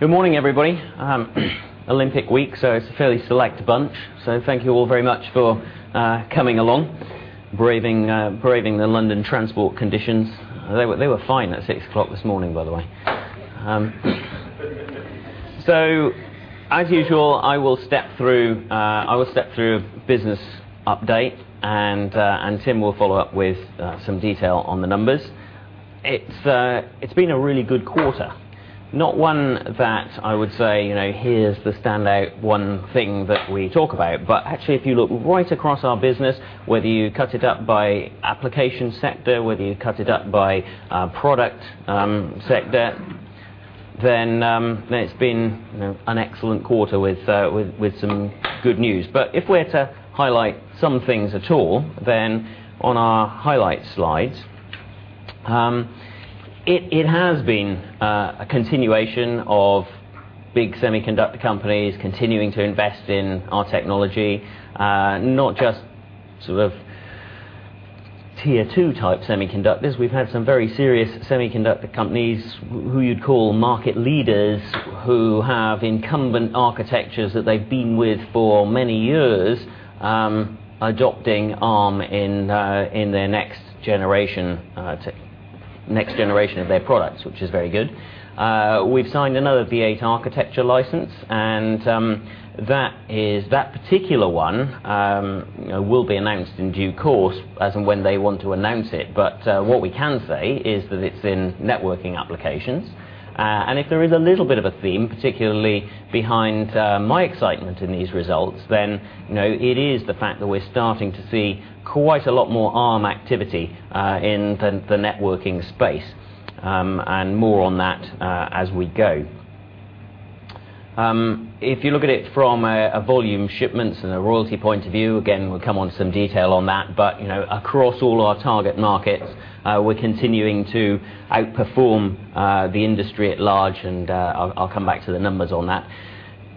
Good morning, everybody. Olympic week, it's a fairly select bunch. Thank you all very much for coming along, braving the London transport conditions. They were fine at 6:00 A.M. this morning, by the way. As usual, I will step through a business update, and Tim will follow up with some detail on the numbers. It's been a really good quarter. Not one that I would say, "Here's the standout one thing that we talk about." Actually, if you look right across our business, whether you cut it up by application sector, whether you cut it up by product sector, then it's been an excellent quarter with some good news. If we're to highlight some things at all, then on our highlight slides, it has been a continuation of big semiconductor companies continuing to invest in our technology. Not just sort of tier 2-type semiconductors. We've had some very serious semiconductor companies, who you'd call market leaders, who have incumbent architectures that they've been with for many years, adopting Arm in their next generation of their products, which is very good. We've signed another ARMv8 architecture license, that particular one will be announced in due course, as and when they want to announce it. What we can say is that it's in networking applications. If there is a little bit of a theme, particularly behind my excitement in these results, then it is the fact that we're starting to see quite a lot more Arm activity in the networking space. More on that as we go. If you look at it from a volume shipments and a royalty point of view, again, we'll come on some detail on that, across all our target markets, we're continuing to outperform the industry at large, and I'll come back to the numbers on that.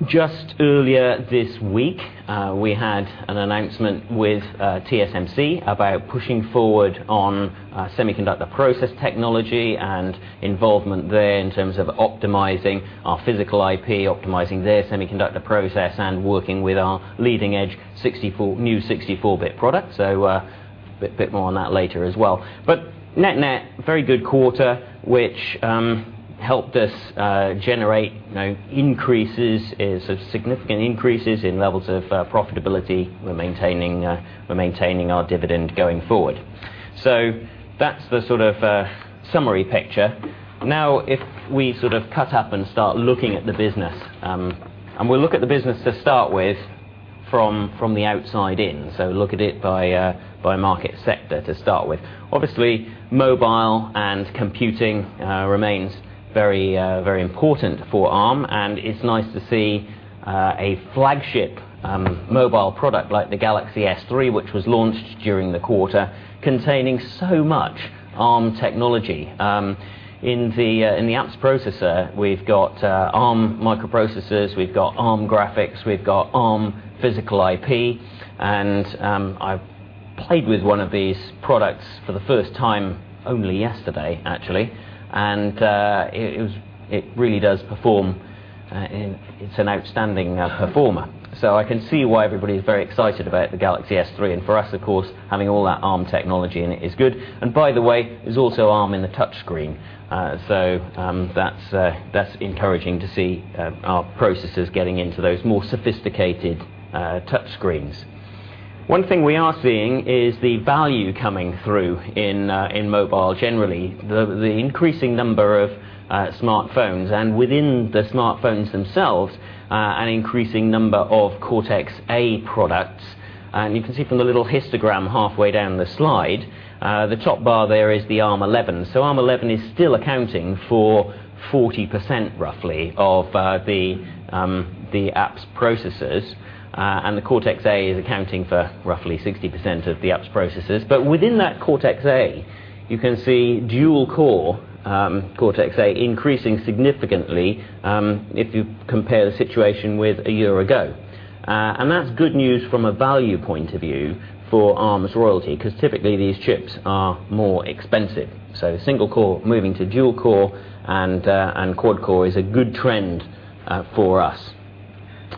Just earlier this week, we had an announcement with TSMC about pushing forward on semiconductor process technology and involvement there in terms of optimizing our Physical IP, optimizing their semiconductor process, and working with our leading edge new 64-bit product. A bit more on that later as well. Net net, very good quarter, which helped us generate significant increases in levels of profitability. We're maintaining our dividend going forward. That's the sort of summary picture. Now, if we sort of cut up and start looking at the business. We'll look at the business to start with from the outside in, so look at it by market sector to start with. Obviously, mobile and computing remains very important for Arm, and it's nice to see a flagship mobile product like the Galaxy S III, which was launched during the quarter, containing so much Arm technology. In the apps processor, we've got Arm microprocessors. We've got Arm graphics. We've got Arm Physical IP, I played with one of these products for the first time only yesterday, actually. It really does perform. It's an outstanding performer. I can see why everybody is very excited about the Galaxy S III. For us, of course, having all that Arm technology in it is good. By the way, there's also Arm in the touch screen. That's encouraging to see our processors getting into those more sophisticated touch screens. One thing we are seeing is the value coming through in mobile generally. The increasing number of smartphones, and within the smartphones themselves, an increasing number of Cortex-A products. You can see from the little histogram halfway down the slide, the top bar there is the ARM11. ARM11 is still accounting for 40%, roughly, of the apps processors. The Cortex-A is accounting for roughly 60% of the apps processors. Within that Cortex-A, you can see dual-core Cortex-A increasing significantly if you compare the situation with a year ago. That's good news from a value point of view for Arm's royalty, because typically, these chips are more expensive. Single-core moving to dual-core and quad-core is a good trend for us.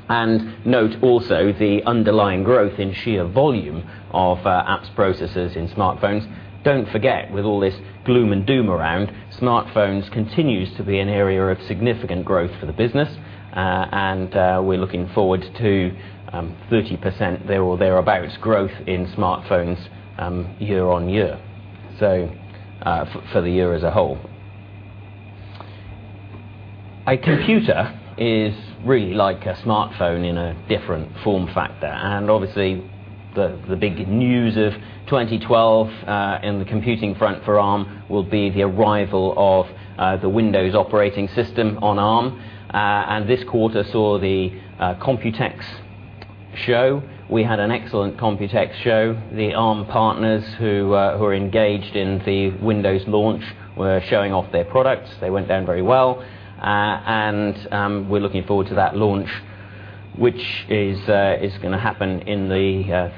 Note also the underlying growth in sheer volume of apps processors in smartphones. Don't forget, with all this gloom and doom around, smartphones continues to be an area of significant growth for the business, and we're looking forward to 30% there or thereabouts growth in smartphones year-over-year for the year as a whole. A computer is really like a smartphone in a different form factor. Obviously, the big news of 2012 in the computing front for Arm will be the arrival of the Windows operating system on Arm. This quarter saw the Computex show. We had an excellent Computex show. The Arm partners who were engaged in the Windows launch were showing off their products. They went down very well. We're looking forward to that launch which is going to happen in the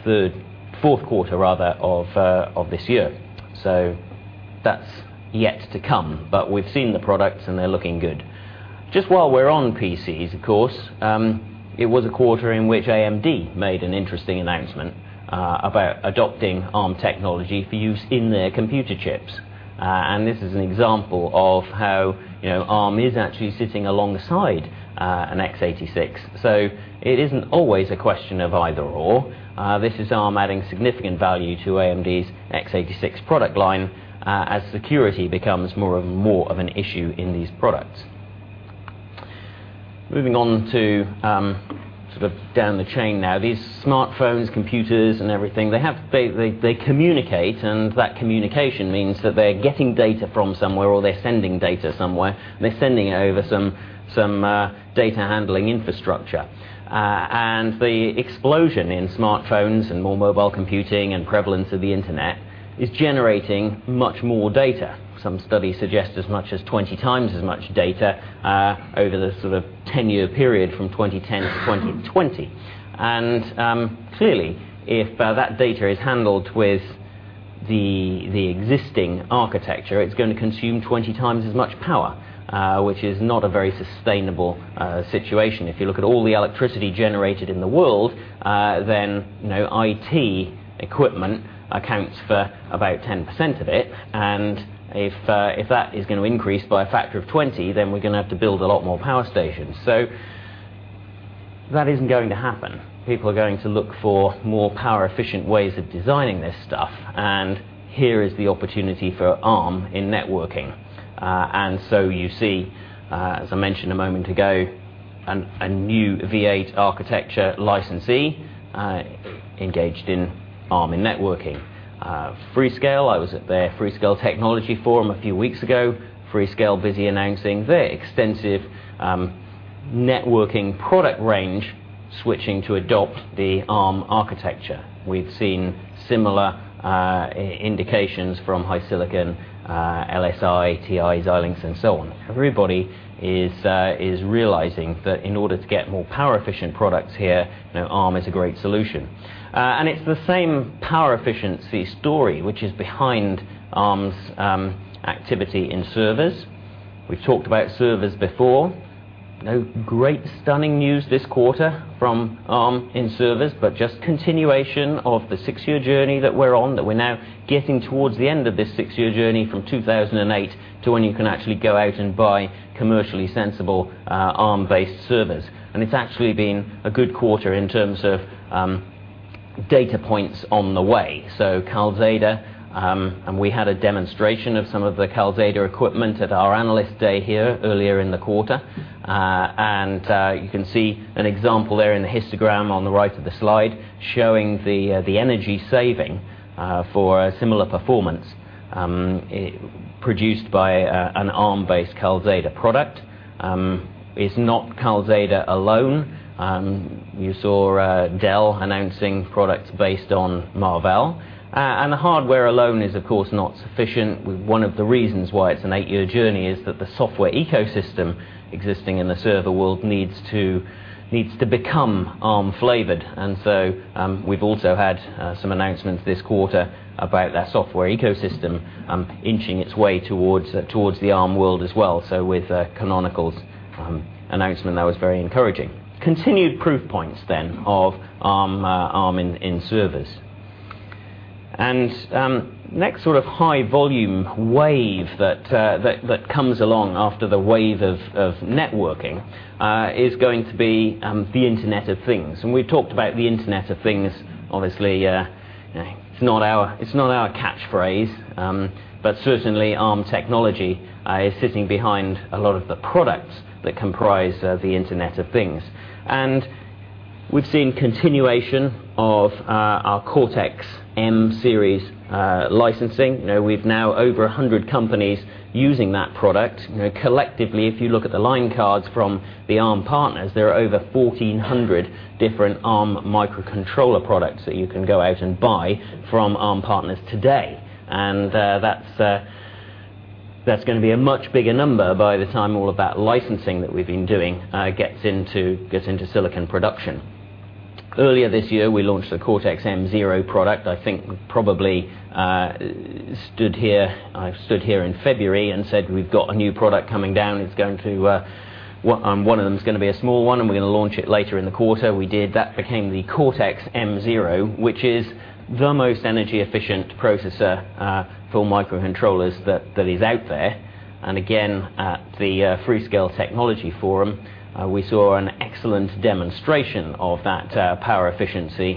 fourth quarter of this year. That's yet to come, but we've seen the products and they're looking good. Just while we're on PCs, of course, it was a quarter in which AMD made an interesting announcement about adopting Arm technology for use in their computer chips. This is an example of how Arm is actually sitting alongside an x86. It isn't always a question of either/or. This is Arm adding significant value to AMD's x86 product line as security becomes more of an issue in these products. Moving on to sort of down the chain now. These smartphones, computers, and everything, they communicate, and that communication means that they're getting data from somewhere or they're sending data somewhere, and they're sending it over some data handling infrastructure. The explosion in smartphones and more mobile computing and prevalence of the internet is generating much more data. Some studies suggest as much as 20 times as much data over the sort of 10-year period from 2010 to 2020. Clearly, if that data is handled with the existing architecture, it's going to consume 20 times as much power, which is not a very sustainable situation. If you look at all the electricity generated in the world, then IT equipment accounts for about 10% of it. If that is going to increase by a factor of 20, then we're going to have to build a lot more power stations. That isn't going to happen. People are going to look for more power efficient ways of designing this stuff. Here is the opportunity for Arm in networking. You see, as I mentioned a moment ago, a new ARMv8 architecture licensee engaged in Arm networking. Freescale, I was at their Freescale Technology Forum a few weeks ago. Freescale busy announcing their extensive networking product range, switching to adopt the Arm architecture. We've seen similar indications from HiSilicon, LSI, TI, Xilinx, and so on. Everybody is realizing that in order to get more power efficient products here, Arm is a great solution. It's the same power efficiency story which is behind Arm's activity in servers. We've talked about servers before. No great stunning news this quarter from Arm in servers, just continuation of the six-year journey that we're on, that we're now getting towards the end of this six-year journey from 2008 to when you can actually go out and buy commercially sensible Arm-based servers. It's actually been a good quarter in terms of data points on the way. Calxeda, we had a demonstration of some of the Calxeda equipment at our analyst day here earlier in the quarter. You can see an example there in the histogram on the right of the slide showing the energy saving for a similar performance produced by an Arm-based Calxeda product. It's not Calxeda alone. You saw Dell announcing products based on Marvell. The hardware alone is, of course, not sufficient. One of the reasons why it's an eight-year journey is that the software ecosystem existing in the server world needs to become Arm flavored. We've also had some announcements this quarter about that software ecosystem inching its way towards the Arm world as well. With Canonical's announcement, that was very encouraging. Continued proof points then of Arm in servers. Next sort of high volume wave that comes along after the wave of networking is going to be the Internet of Things. We've talked about the Internet of Things. Obviously, it's not our catchphrase. Certainly Arm technology is sitting behind a lot of the products that comprise the Internet of Things. We've seen continuation of our Cortex-M series licensing. We've now over 100 companies using that product. Collectively, if you look at the line cards from the Arm partners, there are over 1,400 different Arm microcontroller products that you can go out and buy from Arm partners today. That's going to be a much bigger number by the time all of that licensing that we've been doing gets into silicon production. Earlier this year, we launched the Cortex-M0 product. I think probably I stood here in February and said we've got a new product coming down. One of them is going to be a small one, we're going to launch it later in the quarter. We did. That became the Cortex-M0, which is the most energy efficient processor for microcontrollers that is out there. Again, at the Freescale Technology Forum, we saw an excellent demonstration of that power efficiency,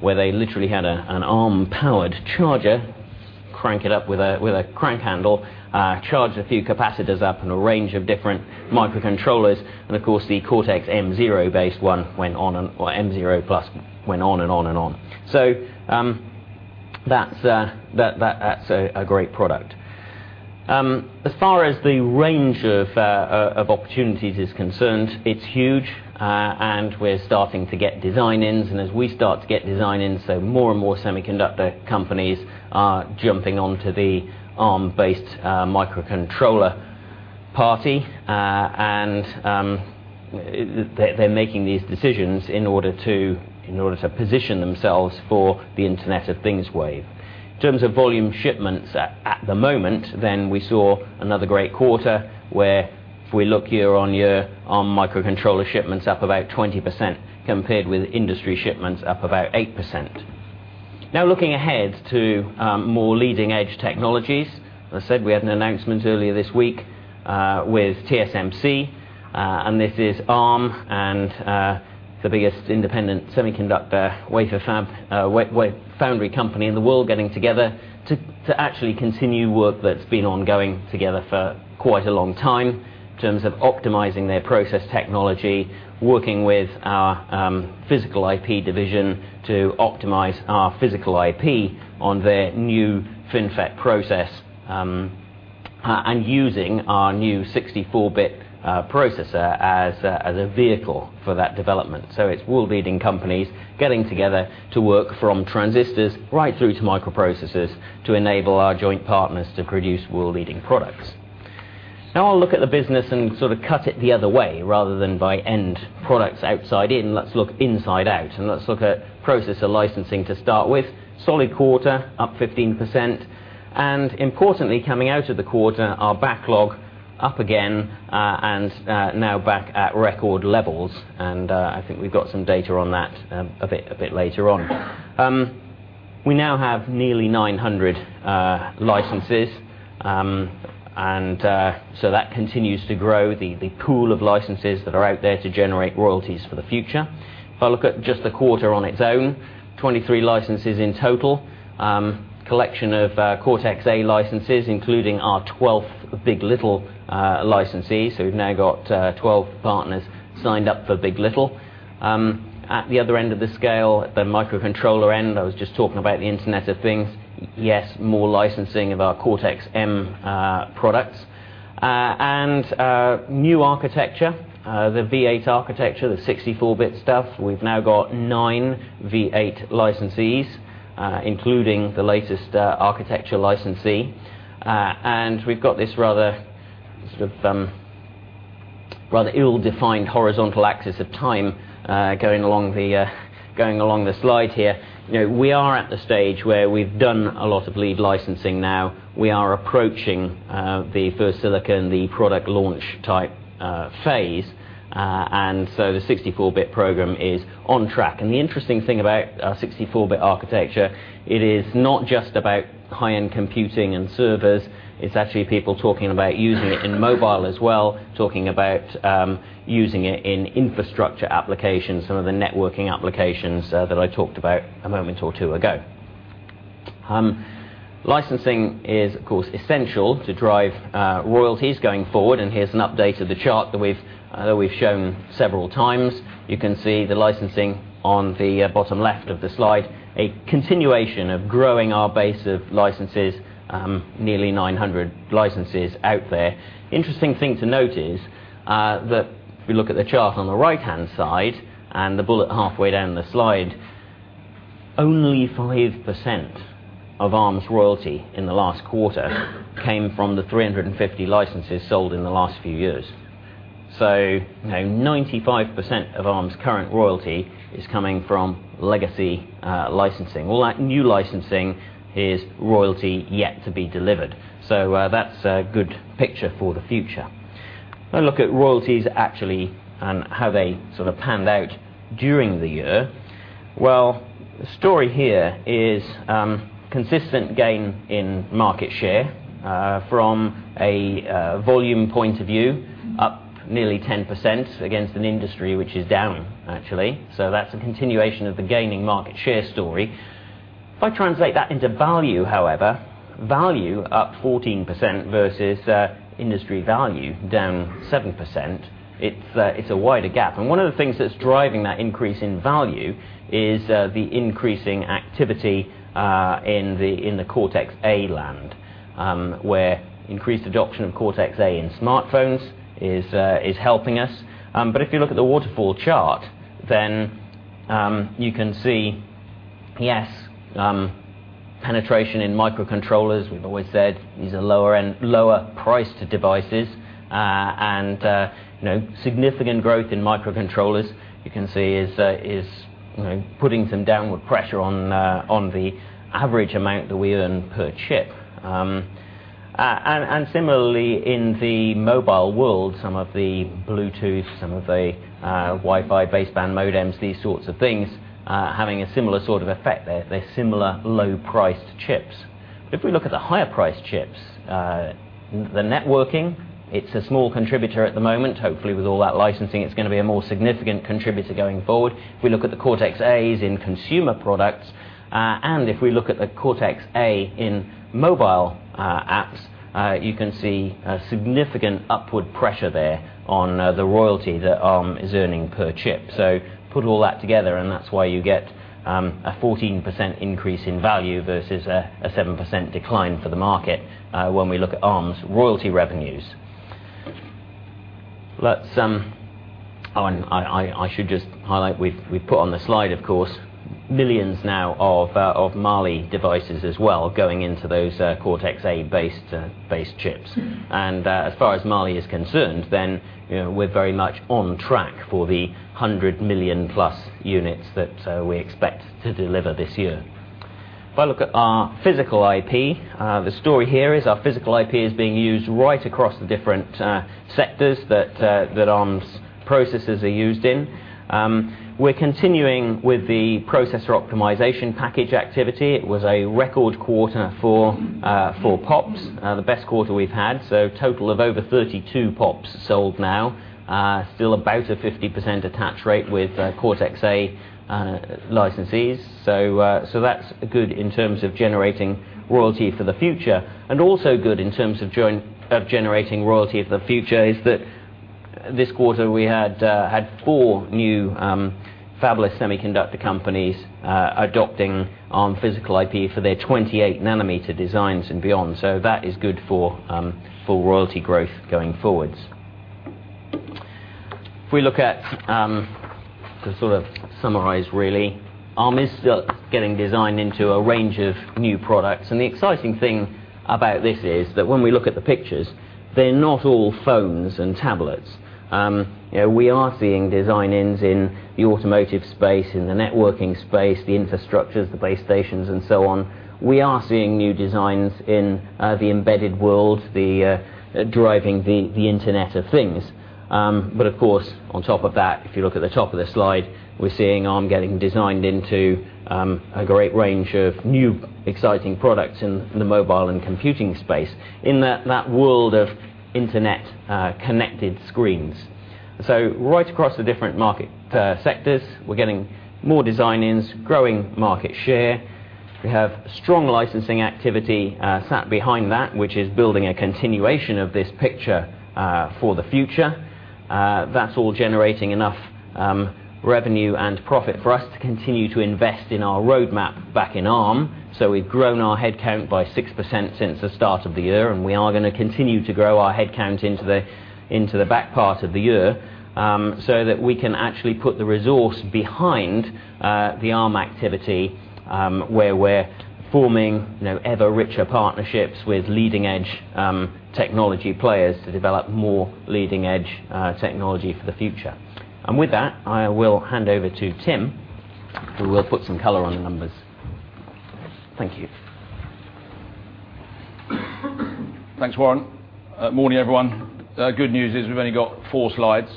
where they literally had an Arm-powered charger, crank it up with a crank handle, charge a few capacitors up and a range of different microcontrollers. Of course, the Cortex-M0+ went on and on and on. That's a great product. As far as the range of opportunities is concerned, it's huge, we're starting to get design-ins. As we start to get design-ins, so more and more semiconductor companies are jumping onto the Arm-based microcontroller party, and they're making these decisions in order to position themselves for the Internet of Things wave. In terms of volume shipments at the moment, we saw another great quarter where if we look year-over-year, Arm microcontroller shipments up about 20%, compared with industry shipments up about 8%. Looking ahead to more leading-edge technologies. As I said, we had an announcement earlier this week with TSMC. This is Arm and the biggest independent semiconductor foundry company in the world getting together to actually continue work that's been ongoing together for quite a long time in terms of optimizing their process technology, working with our Physical IP division to optimize our Physical IP on their new FinFET process, and using our new 64-bit processor as a vehicle for that development. It's world-leading companies getting together to work from transistors right through to microprocessors, to enable our joint partners to produce world-leading products. I'll look at the business and sort of cut it the other way. Rather than by end products outside in, let's look inside out, and let's look at processor licensing to start with. Solid quarter, up 15%. Importantly, coming out of the quarter, our backlog up again, and now back at record levels. I think we've got some data on that a bit later on. We now have nearly 900 licenses. That continues to grow the pool of licenses that are out there to generate royalties for the future. If I look at just the quarter on its own, 23 licenses in total. Collection of Cortex-A licenses, including our 12th big. LITTLE licensee. So we've now got 12 partners signed up for big. LITTLE. At the other end of the scale, the microcontroller end, I was just talking about the Internet of Things. Yes, more licensing of our Cortex-M products. New architecture, the V8 architecture, the 64-bit stuff. We've now got nine V8 licensees, including the latest architecture licensee. We've got this rather ill-defined horizontal axis of time going along the slide here. We are at the stage where we've done a lot of lead licensing now. We are approaching the first silicon, the product launch type phase. The 64-bit program is on track. The interesting thing about our 64-bit architecture, it is not just about high-end computing and servers. It's actually people talking about using it in mobile as well, talking about using it in infrastructure applications, some of the networking applications that I talked about a moment or two ago. Licensing is, of course, essential to drive royalties going forward, and here's an update of the chart that we've shown several times. You can see the licensing on the bottom left of the slide. A continuation of growing our base of licenses. Nearly 900 licenses out there. Interesting thing to note is that if we look at the chart on the right-hand side and the bullet halfway down the slide, only 5% of Arm's royalty in the last quarter came from the 350 licenses sold in the last few years. Now 95% of Arm's current royalty is coming from legacy licensing. All that new licensing is royalty yet to be delivered. That's a good picture for the future. Now look at royalties actually and how they sort of panned out during the year. The story here is consistent gain in market share from a volume point of view. Up nearly 10% against an industry which is down, actually. That's a continuation of the gaining market share story. If I translate that into value, however, value up 14% versus industry value down 7%. It's a wider gap. One of the things that's driving that increase in value is the increasing activity in the Cortex-A land, where increased adoption of Cortex-A in smartphones is helping us. If you look at the waterfall chart, then you can see, yes, penetration in microcontrollers. We've always said these are lower-priced devices. Significant growth in microcontrollers, you can see, is putting some downward pressure on the average amount that we earn per chip. Similarly, in the mobile world, some of the Bluetooth, some of the Wi-Fi baseband modems, these sorts of things, having a similar sort of effect. They're similar low-priced chips. If we look at the higher priced chips, the networking, it's a small contributor at the moment. Hopefully, with all that licensing, it's going to be a more significant contributor going forward. If we look at the Cortex-As in consumer products, if we look at the Cortex-A in mobile apps, you can see significant upward pressure there on the royalty that Arm is earning per chip. Put all that together, that's why you get a 14% increase in value versus a 7% decline for the market when we look at Arm's royalty revenues. I should just highlight, we've put on the slide, of course, millions now of Mali devices as well, going into those Cortex-A based chips. As far as Mali is concerned, then we're very much on track for the 100 million plus units that we expect to deliver this year. If I look at our Physical IP, the story here is our Physical IP is being used right across the different sectors that Arm's processors are used in. We're continuing with the processor optimization package activity. It was a record quarter for POPs, the best quarter we've had, total of over 32 POPs sold now. Still about a 50% attach rate with Cortex-A licensees. That's good in terms of generating royalty for the future. Also good in terms of generating royalty for the future is that this quarter we had four new fabless semiconductor companies adopting Arm Physical IP for their 28 nanometer designs and beyond. That is good for royalty growth going forwards. If we look at, to sort of summarize really, Arm is getting designed into a range of new products. The exciting thing about this is that when we look at the pictures, they're not all phones and tablets. We are seeing design-ins in the automotive space, in the networking space, the infrastructures, the base stations, and so on. We are seeing new designs in the embedded world, driving the Internet of Things. Of course, on top of that, if you look at the top of the slide, we're seeing Arm getting designed into a great range of new, exciting products in the mobile and computing space, in that world of internet-connected screens. Right across the different market sectors, we're getting more design-ins, growing market share. We have strong licensing activity sat behind that, which is building a continuation of this picture for the future. That's all generating enough revenue and profit for us to continue to invest in our roadmap back in Arm. We've grown our headcount by 6% since the start of the year, and we are going to continue to grow our headcount into the back part of the year, so that we can actually put the resource behind the Arm activity, where we're forming ever richer partnerships with leading-edge technology players to develop more leading-edge technology for the future. With that, I will hand over to Tim, who will put some color on the numbers. Thank you. Thanks, Warren. Morning, everyone. Good news is we've only got four slides.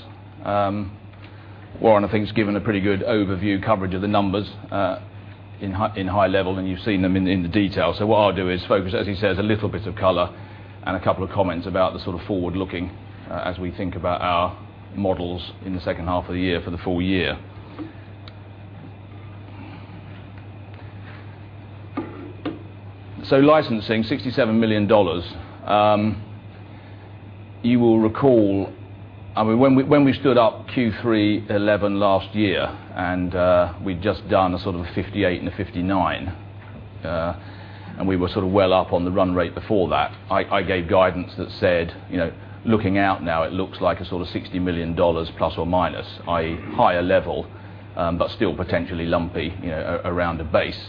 Warren, I think, has given a pretty good overview coverage of the numbers in high level, and you've seen them in the detail. What I'll do is focus, as he says, a little bit of color and a couple of comments about the sort of forward looking as we think about our models in the second half of the year for the full year. Licensing, $67 million. You will recall, when we stood up Q3 2011 last year, and we'd just done a sort of a 58 and a 59, and we were sort of well up on the run rate before that, I gave guidance that said, looking out now, it looks like a sort of $60 million plus or minus, i.e., higher level, but still potentially lumpy around a base.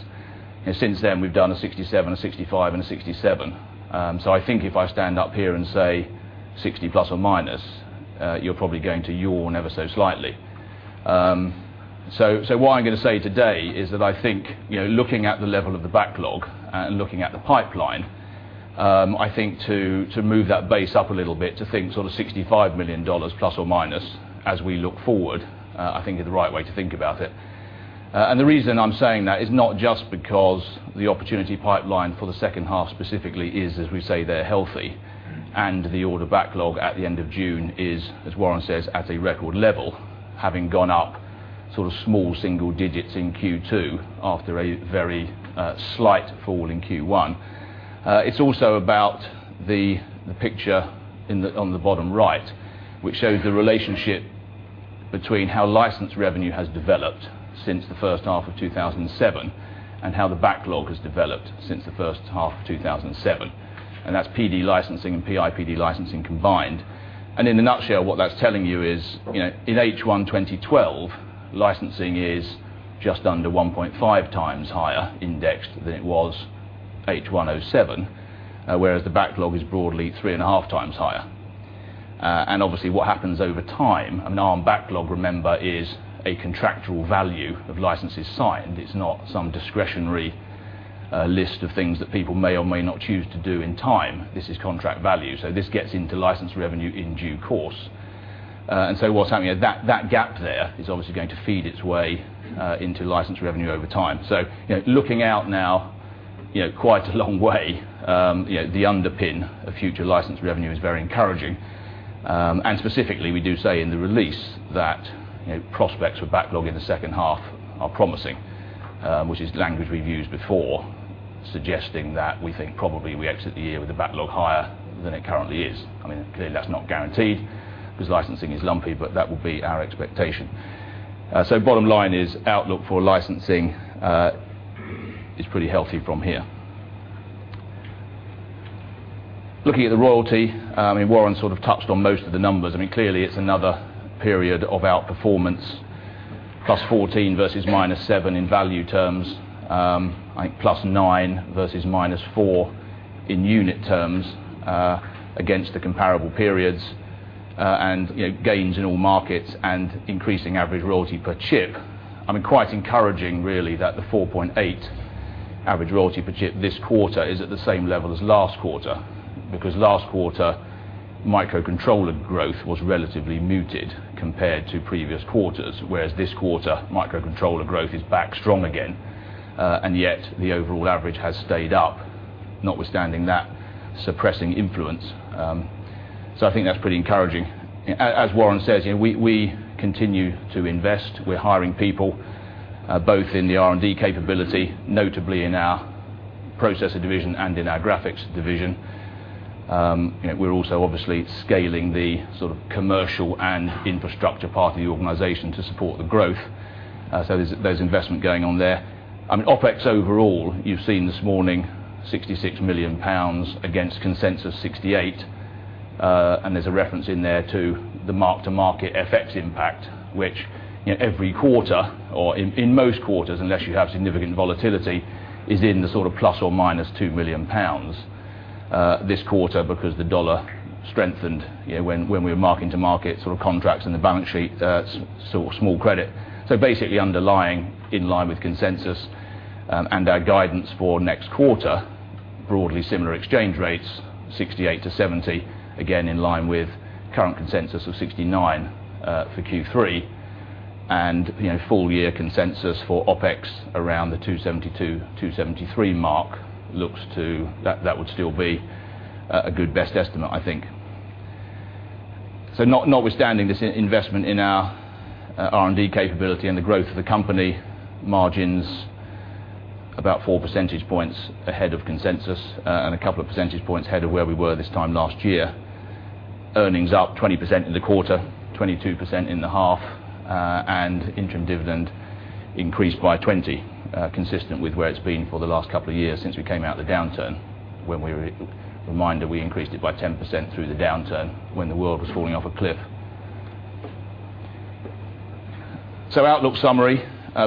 Since then, we've done a 67, a 65, and a 67. I think if I stand up here and say 60 plus or minus, you're probably going to yawn ever so slightly. What I'm going to say today is that I think looking at the level of the backlog and looking at the pipeline, I think to move that base up a little bit to think sort of $65 million plus or minus as we look forward, I think is the right way to think about it. The reason I'm saying that is not just because the opportunity pipeline for the second half specifically is, as we say, they're healthy, and the order backlog at the end of June is, as Warren says, at a record level, having gone up sort of small single digits in Q2 after a very slight fall in Q1. It's also about the picture on the bottom right, which shows the relationship between how license revenue has developed since the first half of 2007 and how the backlog has developed since the first half of 2007. That's PD licensing and PIPD licensing combined. In a nutshell, what that's telling you is, in H1 2012, licensing is just under 1.5 times higher indexed than it was H1'07, whereas the backlog is broadly three and a half times higher. Obviously what happens over time, an Arm backlog, remember, is a contractual value of licenses signed. It's not some discretionary list of things that people may or may not choose to do in time. This is contract value, so this gets into license revenue in due course. What's happening, that gap there is obviously going to feed its way into license revenue over time. Looking out now quite a long way, the underpin of future license revenue is very encouraging. Specifically, we do say in the release that prospects for backlog in the second half are promising, which is language we've used before suggesting that we think probably we exit the year with the backlog higher than it currently is. Clearly, that's not guaranteed because licensing is lumpy, but that would be our expectation. Bottom line is outlook for licensing is pretty healthy from here. Looking at the royalty, Warren sort of touched on most of the numbers. Clearly, it's another period of outperformance, +14 versus -7 in value terms. +9 versus -4 in unit terms against the comparable periods. Gains in all markets and increasing average royalty per chip. Quite encouraging really that the 4.8 average royalty per chip this quarter is at the same level as last quarter. Because last quarter, microcontroller growth was relatively muted compared to previous quarters. Whereas this quarter, microcontroller growth is back strong again, and yet the overall average has stayed up notwithstanding that suppressing influence. I think that's pretty encouraging. As Warren says, we continue to invest. We're hiring people both in the R&D capability, notably in our processor division and in our graphics division. We're also obviously scaling the commercial and infrastructure part of the organization to support the growth. There's investment going on there. OpEx overall, you've seen this morning, 66 million pounds against consensus 68. There's a reference in there to the mark-to-market FX impact, which every quarter or in most quarters, unless you have significant volatility, is in the sort of ±2 million pounds. This quarter because the dollar strengthened when we were marking to market contracts in the balance sheet, saw a small credit. Basically underlying in line with consensus and our guidance for next quarter, broadly similar exchange rates, 68-70, again, in line with current consensus of 69 for Q3. Full year consensus for OpEx around the 272, 273 mark, that would still be a good best estimate, I think. Notwithstanding this investment in our R&D capability and the growth of the company margins about four percentage points ahead of consensus and a couple of percentage points ahead of where we were this time last year. Earnings up 20% in the quarter, 22% in the half, and interim dividend increased by 20%, consistent with where it's been for the last couple of years since we came out of the downturn. When we were reminded, we increased it by 10% through the downturn when the world was falling off a cliff. Outlook summary,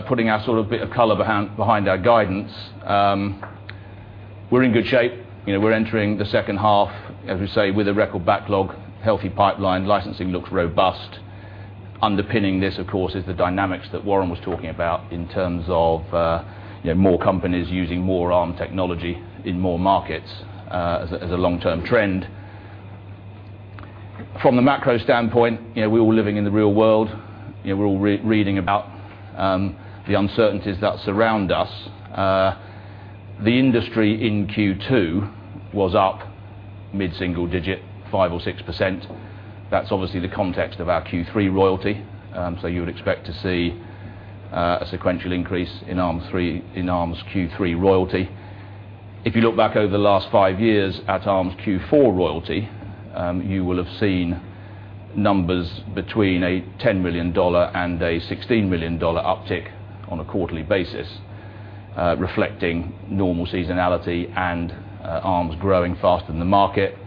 putting our sort of bit of color behind our guidance. We're in good shape. We're entering the second half, as we say, with a record backlog, healthy pipeline, licensing looks robust. Underpinning this, of course, is the dynamics that Warren was talking about in terms of more companies using more Arm technology in more markets as a long-term trend. From the macro standpoint, we're all living in the real world. We're all reading about the uncertainties that surround us. The industry in Q2 was up mid-single digit, 5% or 6%. That's obviously the context of our Q3 royalty. You would expect to see a sequential increase in Arm's Q3 royalty. If you look back over the last five years at Arm's Q4 royalty, you will have seen numbers between a GBP 10 million and a GBP 16 million uptick on a quarterly basis, reflecting normal seasonality and Arm's growing faster than the market.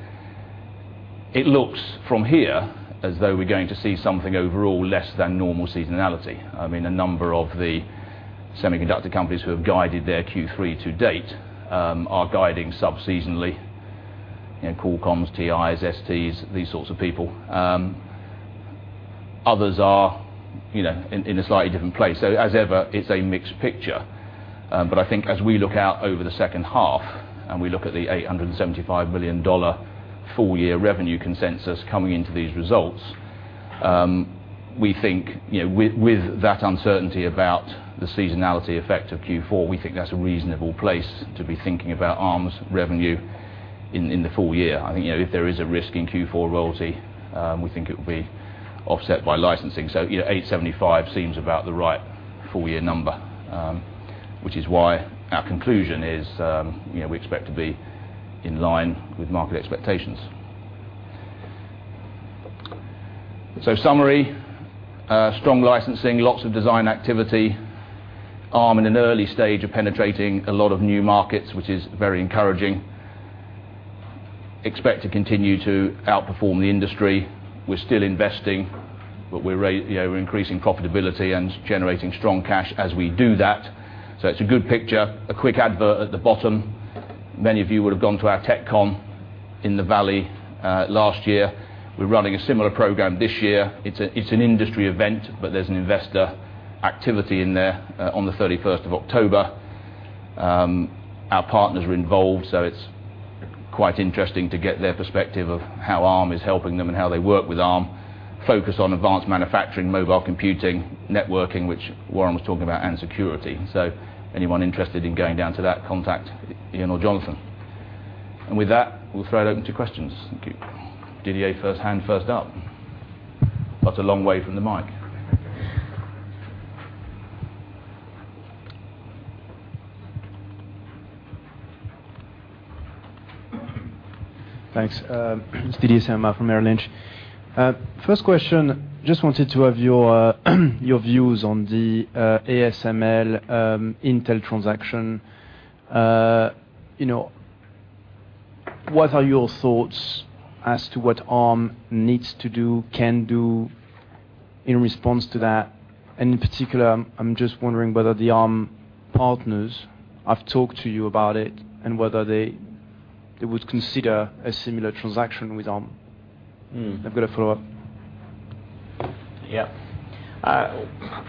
It looks from here as though we're going to see something overall less than normal seasonality. A number of the semiconductor companies who have guided their Q3 to date are guiding sub-seasonally. Qualcomms, TIs, STs, these sorts of people. Others are in a slightly different place. I think as we look out over the second half and we look at the GBP 875 million full-year revenue consensus coming into these results, with that uncertainty about the seasonality effect of Q4, we think that's a reasonable place to be thinking about Arm's revenue in the full year. If there is a risk in Q4 royalty, we think it would be offset by licensing. 875 seems about the right full-year number which is why our conclusion is we expect to be in line with market expectations. Summary. Strong licensing, lots of design activity. Arm in an early stage of penetrating a lot of new markets, which is very encouraging. Expect to continue to outperform the industry. We're still investing, but we're increasing profitability and generating strong cash as we do that. It's a good picture. A quick advert at the bottom. Many of you would have gone to our TechCon in the Valley last year. We're running a similar program this year. It's an industry event, but there's an investor activity in there on the 31st of October. Our partners are involved, so it's quite interesting to get their perspective of how Arm is helping them and how they work with Arm. Focus on advanced manufacturing, mobile computing, networking, which Warren was talking about, and security. Anyone interested in going down to that, contact Ian or Jonathan. With that, we'll throw it open to questions. Thank you. Didier, first hand, first up. That's a long way from the mic. Thanks. It's Didier Scemama from Merrill Lynch. First question, just wanted to have your views on the ASML-Intel transaction. What are your thoughts as to what Arm needs to do, can do in response to that? In particular, I'm just wondering whether the Arm partners have talked to you about it, and whether they would consider a similar transaction with Arm. I've got a follow-up. Yeah.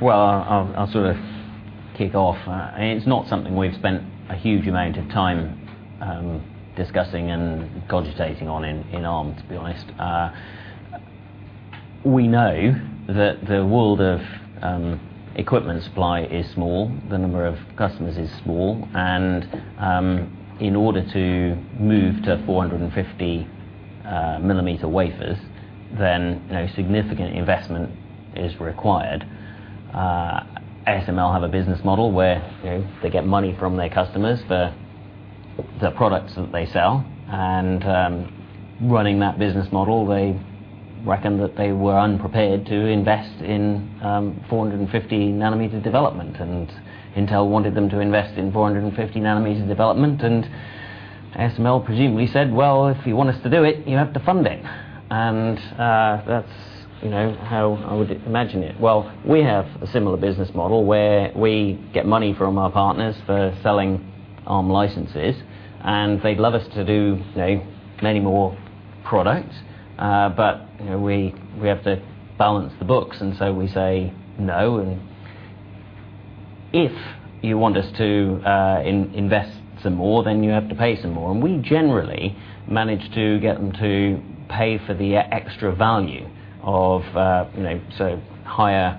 Well, I'll sort of kick off. It's not something we've spent a huge amount of time discussing and cogitating on in Arm, to be honest. We know that the world of equipment supply is small, the number of customers is small, and in order to move to 450 millimeter wafers, then significant investment is required. ASML have a business model where they get money from their customers for the products that they sell, and running that business model, they reckoned that they were unprepared to invest in 450 nanometer development. Intel wanted them to invest in 450 nanometer development, and ASML presumably said, "Well, if you want us to do it, you have to fund it." That's how I would imagine it. Well, we have a similar business model where we get money from our partners for selling Arm licenses. They'd love us to do many more products, but we have to balance the books, and so we say, "No. If you want us to invest some more, then you have to pay some more." We generally manage to get them to pay for the extra value of higher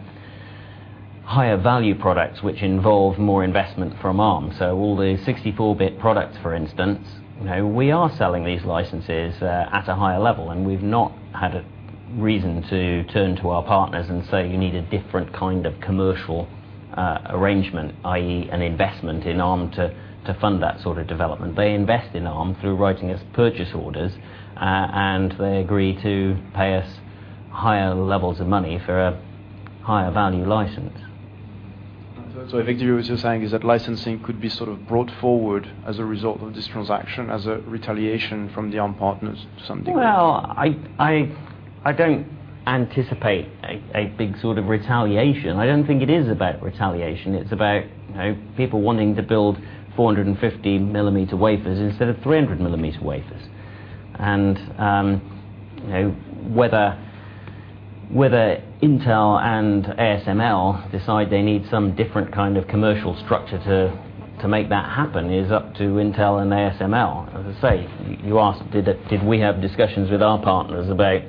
value products, which involve more investment from Arm. All the 64-bit products, for instance, we are selling these licenses at a higher level. We've not had a reason to turn to our partners and say, "You need a different kind of commercial arrangement," i.e, an investment in Arm to fund that sort of development. They invest in Arm through writing us purchase orders, and they agree to pay us higher levels of money for a higher value license. I think what you're saying is that licensing could be sort of brought forward as a result of this transaction as a retaliation from the Arm partners someday? Well, I don't anticipate a big sort of retaliation. I don't think it is about retaliation. It's about people wanting to build 450 millimeter wafers instead of 300 millimeter wafers. Whether Intel and ASML decide they need some different kind of commercial structure to make that happen is up to Intel and ASML. As I say, you asked, did we have discussions with our partners about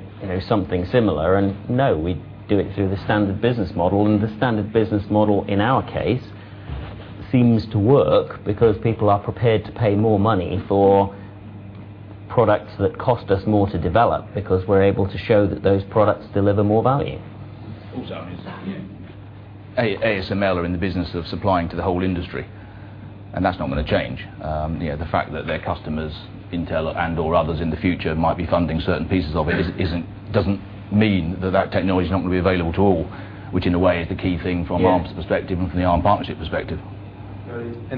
something similar? No, we do it through the standard business model. The standard business model, in our case, seems to work because people are prepared to pay more money for products that cost us more to develop because we're able to show that those products deliver more value. Also, ASML are in the business of supplying to the whole industry, and that's not going to change. The fact that their customers, Intel and/or others in the future, might be funding certain pieces of it doesn't mean that technology is not going to be available at all, which in a way is the key thing from Arm's perspective and from the Arm partnership perspective. The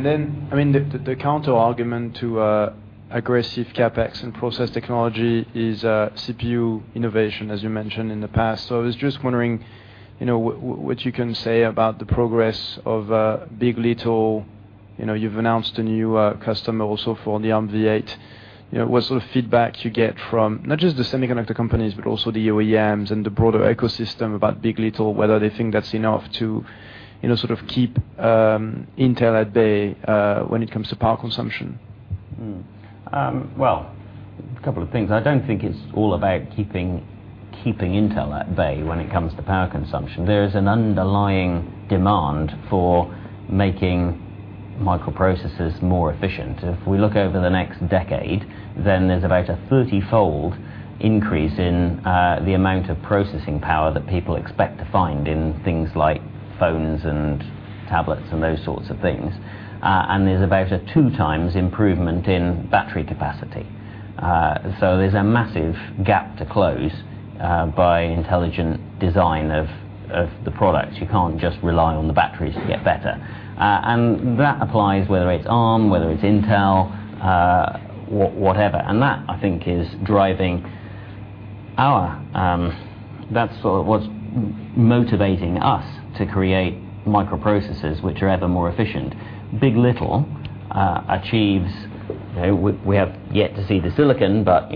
counterargument to aggressive CapEx and process technology is CPU innovation, as you mentioned in the past. I was just wondering what you can say about the progress of big. LITTLE. You've announced a new customer also for the ARMv8. What sort of feedback do you get from not just the semiconductor companies, but also the OEMs and the broader ecosystem about big. LITTLE, whether they think that's enough to keep Intel at bay when it comes to power consumption? Well, a couple of things. I don't think it's all about keeping Intel at bay when it comes to power consumption. There is an underlying demand for making microprocessors more efficient. If we look over the next decade, there's about a 30-fold increase in the amount of processing power that people expect to find in things like phones and tablets and those sorts of things. There's about a two times improvement in battery capacity. There's a massive gap to close by intelligent design of the products. You can't just rely on the batteries to get better. That applies whether it's Arm, whether it's Intel, whatever. That I think is what's motivating us to create microprocessors which are ever more efficient. Big.LITTLE achieves We have yet to see the silicon, but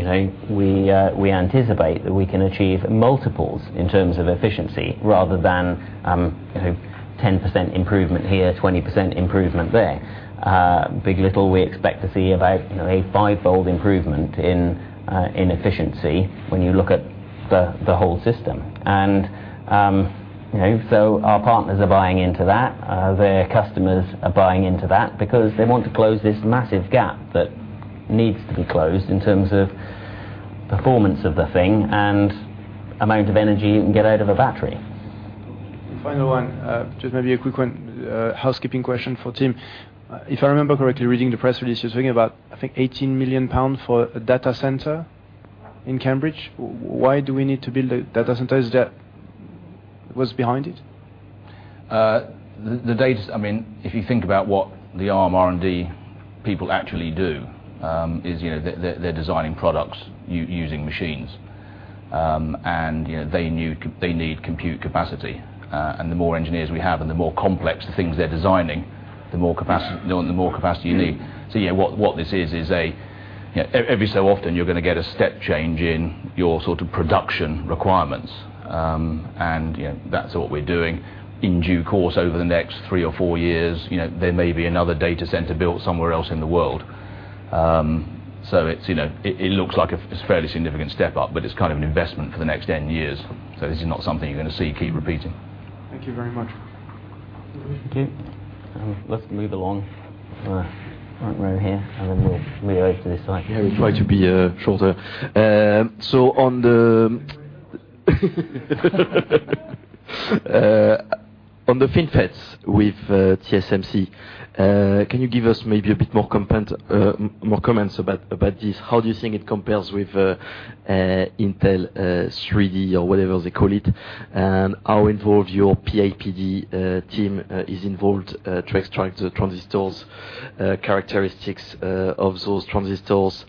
we anticipate that we can achieve multiples in terms of efficiency rather than 10% improvement here, 20% improvement there. Big.LITTLE, we expect to see about a fivefold improvement in efficiency when you look at the whole system. Our partners are buying into that. Their customers are buying into that because they want to close this massive gap that needs to be closed in terms of performance of the thing and amount of energy you can get out of a battery. Final one. Just maybe a quick one, housekeeping question for Tim. If I remember correctly, reading the press release, you was talking about, I think, 18 million pounds for a data center in Cambridge. Why do we need to build a data center? What's behind it? If you think about what the Arm R&D people actually do is they're designing products using machines. They need compute capacity. The more engineers we have and the more complex the things they're designing, the more capacity you need. What this is, every so often you're going to get a step change in your production requirements. That's what we're doing. In due course, over the next three or four years, there may be another data center built somewhere else in the world. It looks like it's a fairly significant step-up, but it's kind of an investment for the next 10 years. This is not something you're going to see keep repeating. Thank you very much. Thank you. Let's move along. Front row here, and then we'll move over to this side. Yeah, we try to be shorter. On the FinFETs with TSMC, can you give us maybe a bit more comments about this? How do you think it compares with Intel 3D, or whatever they call it? How involved your PIPD team is involved to extract the transistors, characteristics of those transistors?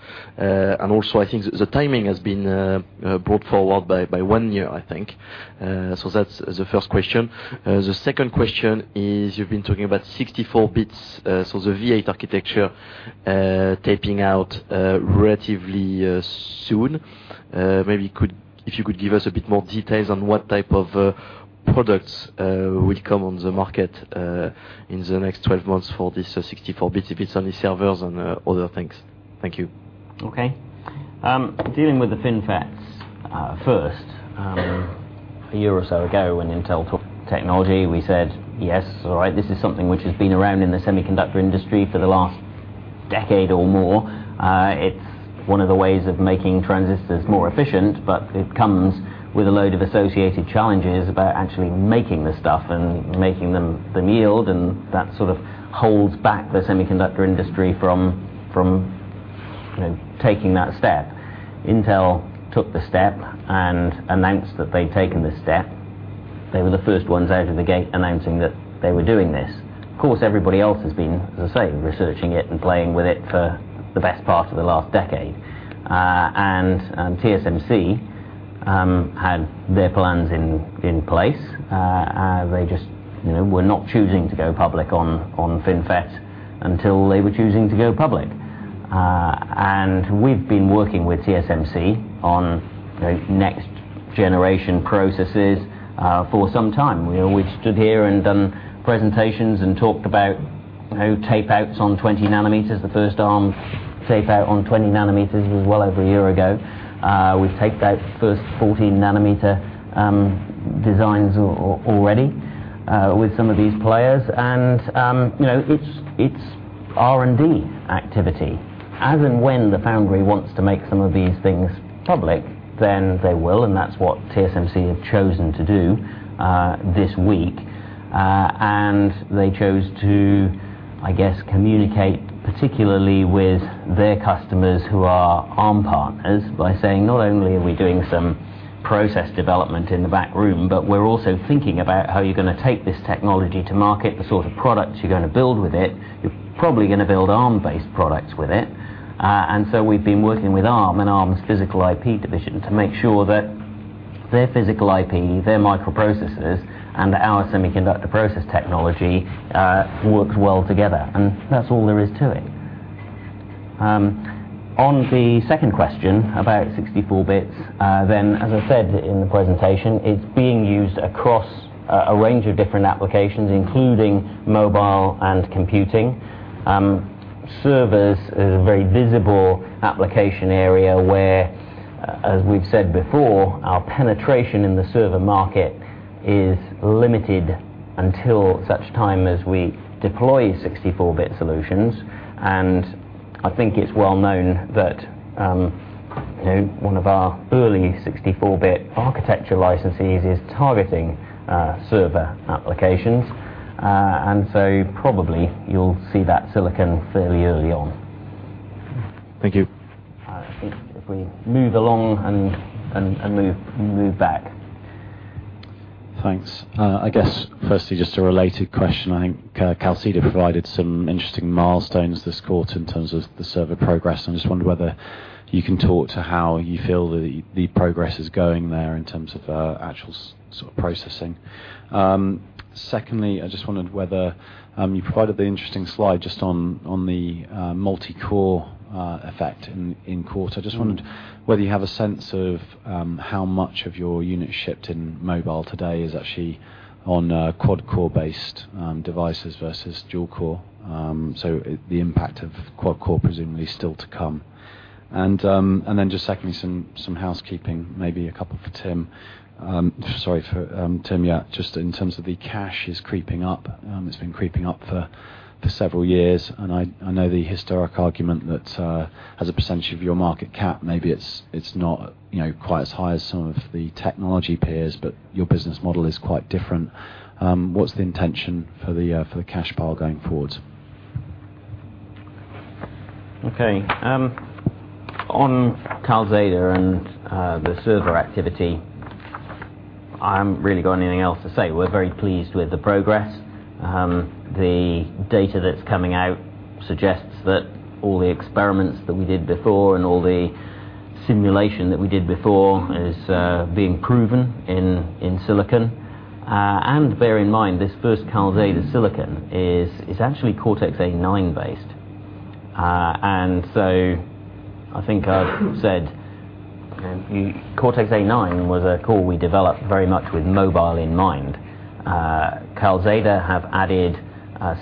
Also, I think the timing has been brought forward by one year, I think. That's the first question. The second question is, you've been talking about 64-bit. The V8 architecture taping out relatively soon. Maybe if you could give us a bit more details on what type of products will come on the market in the next 12 months for this 64-bit, if it's on the servers and other things. Thank you. Okay. Dealing with the FinFETs first. A year or so ago when Intel talked technology, we said, "Yes. All right. This is something which has been around in the semiconductor industry for the last decade or more." It's one of the ways of making transistors more efficient, but it comes with a load of associated challenges about actually making the stuff and making them yield. That sort of holds back the semiconductor industry from taking that step. Intel took the step and announced that they'd taken the step. They were the first ones out of the gate announcing that they were doing this. Of course, everybody else has been the same, researching it and playing with it for the best part of the last decade. TSMC had their plans in place. They just were not choosing to go public on FinFET until they were choosing to go public. We've been working with TSMC on next generation processes for some time. We've stood here and done presentations and talked about tape-outs on 20 nanometers. The first Arm tape-out on 20 nanometers was well over 1 year ago. We've taped out first 14-nanometer designs already with some of these players. It's R&D activity. As and when the foundry wants to make some of these things public, then they will, and that's what TSMC have chosen to do this week. They chose to, I guess, communicate particularly with their customers who are Arm partners by saying, "Not only are we doing some process development in the back room, but we're also thinking about how you're going to take this technology to market, the sort of products you're going to build with it. You're probably going to build Arm-based products with it." We've been working with Arm and Arm's Physical IP division to make sure that their Physical IP, their microprocessors, and our semiconductor process technology works well together. That's all there is to it. On the second question about 64-bits, as I said in the presentation, it's being used across a range of different applications, including mobile and computing. Servers is a very visible application area where, as we've said before, our penetration in the server market is limited until such time as we deploy 64-bit solutions. I think it's well known that one of our early 64-bit architecture licensees is targeting server applications. Probably you'll see that silicon fairly early on. Thank you. I think if we move along and move back. Thanks. I guess firstly, just a related question. I think Calxeda provided some interesting milestones this quarter in terms of the server progress, I just wonder whether you can talk to how you feel the progress is going there in terms of actual sort of processing. Secondly, I just wondered whether you provided the interesting slide just on the multi-core effect in quarter. I just wondered whether you have a sense of how much of your unit shipped in mobile today is actually on quad-core based devices versus dual core. So the impact of quad-core presumably still to come. Just secondly, some housekeeping, maybe a couple for Tim. Sorry for Tim, yeah. Just in terms of the cash is creeping up. It's been creeping up for several years. I know the historic argument that as a percentage of your market cap, maybe it's not quite as high as some of the technology peers, your business model is quite different. What's the intention for the cash pile going forward? Okay. On Calxeda and the server activity, I haven't really got anything else to say. We're very pleased with the progress. The data that's coming out suggests that all the experiments that we did before and all the simulation that we did before is being proven in silicon. Bear in mind, this first Calxeda silicon is actually Cortex-A9 based. I think I've said Cortex-A9 was a core we developed very much with mobile in mind. Calxeda have added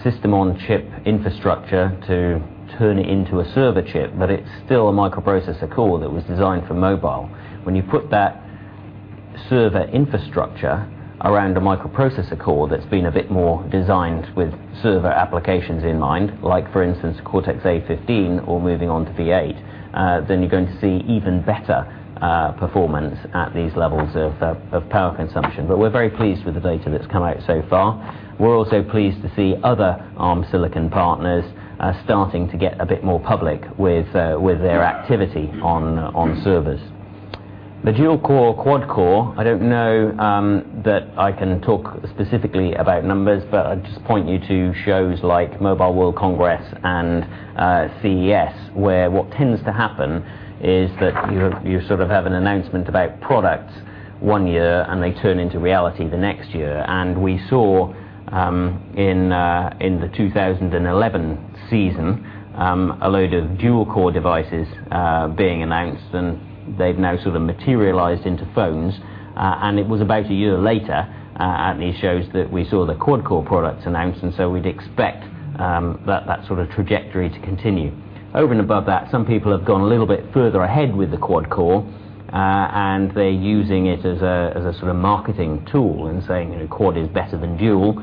System on a Chip infrastructure to turn it into a server chip, it's still a microprocessor core that was designed for mobile. When you put that server infrastructure around a microprocessor core that's been a bit more designed with server applications in mind, like for instance, Cortex-A15 or moving on to V8, then you're going to see even better performance at these levels of power consumption. We're very pleased with the data that's come out so far. We're also pleased to see other Arm silicon partners starting to get a bit more public with their activity on servers. The dual-core, quad-core, I don't know that I can talk specifically about numbers, I'd just point you to shows like Mobile World Congress and CES, where what tends to happen is that you sort of have an announcement about products one year, they turn into reality the next year. We saw, in the 2011 season, a load of dual-core devices being announced, they've now sort of materialized into phones. It was about a year later at these shows that we saw the quad-core products announced, we'd expect that sort of trajectory to continue. Over and above that, some people have gone a little bit further ahead with the quad-core, they're using it as a sort of marketing tool and saying, "Core is better than dual."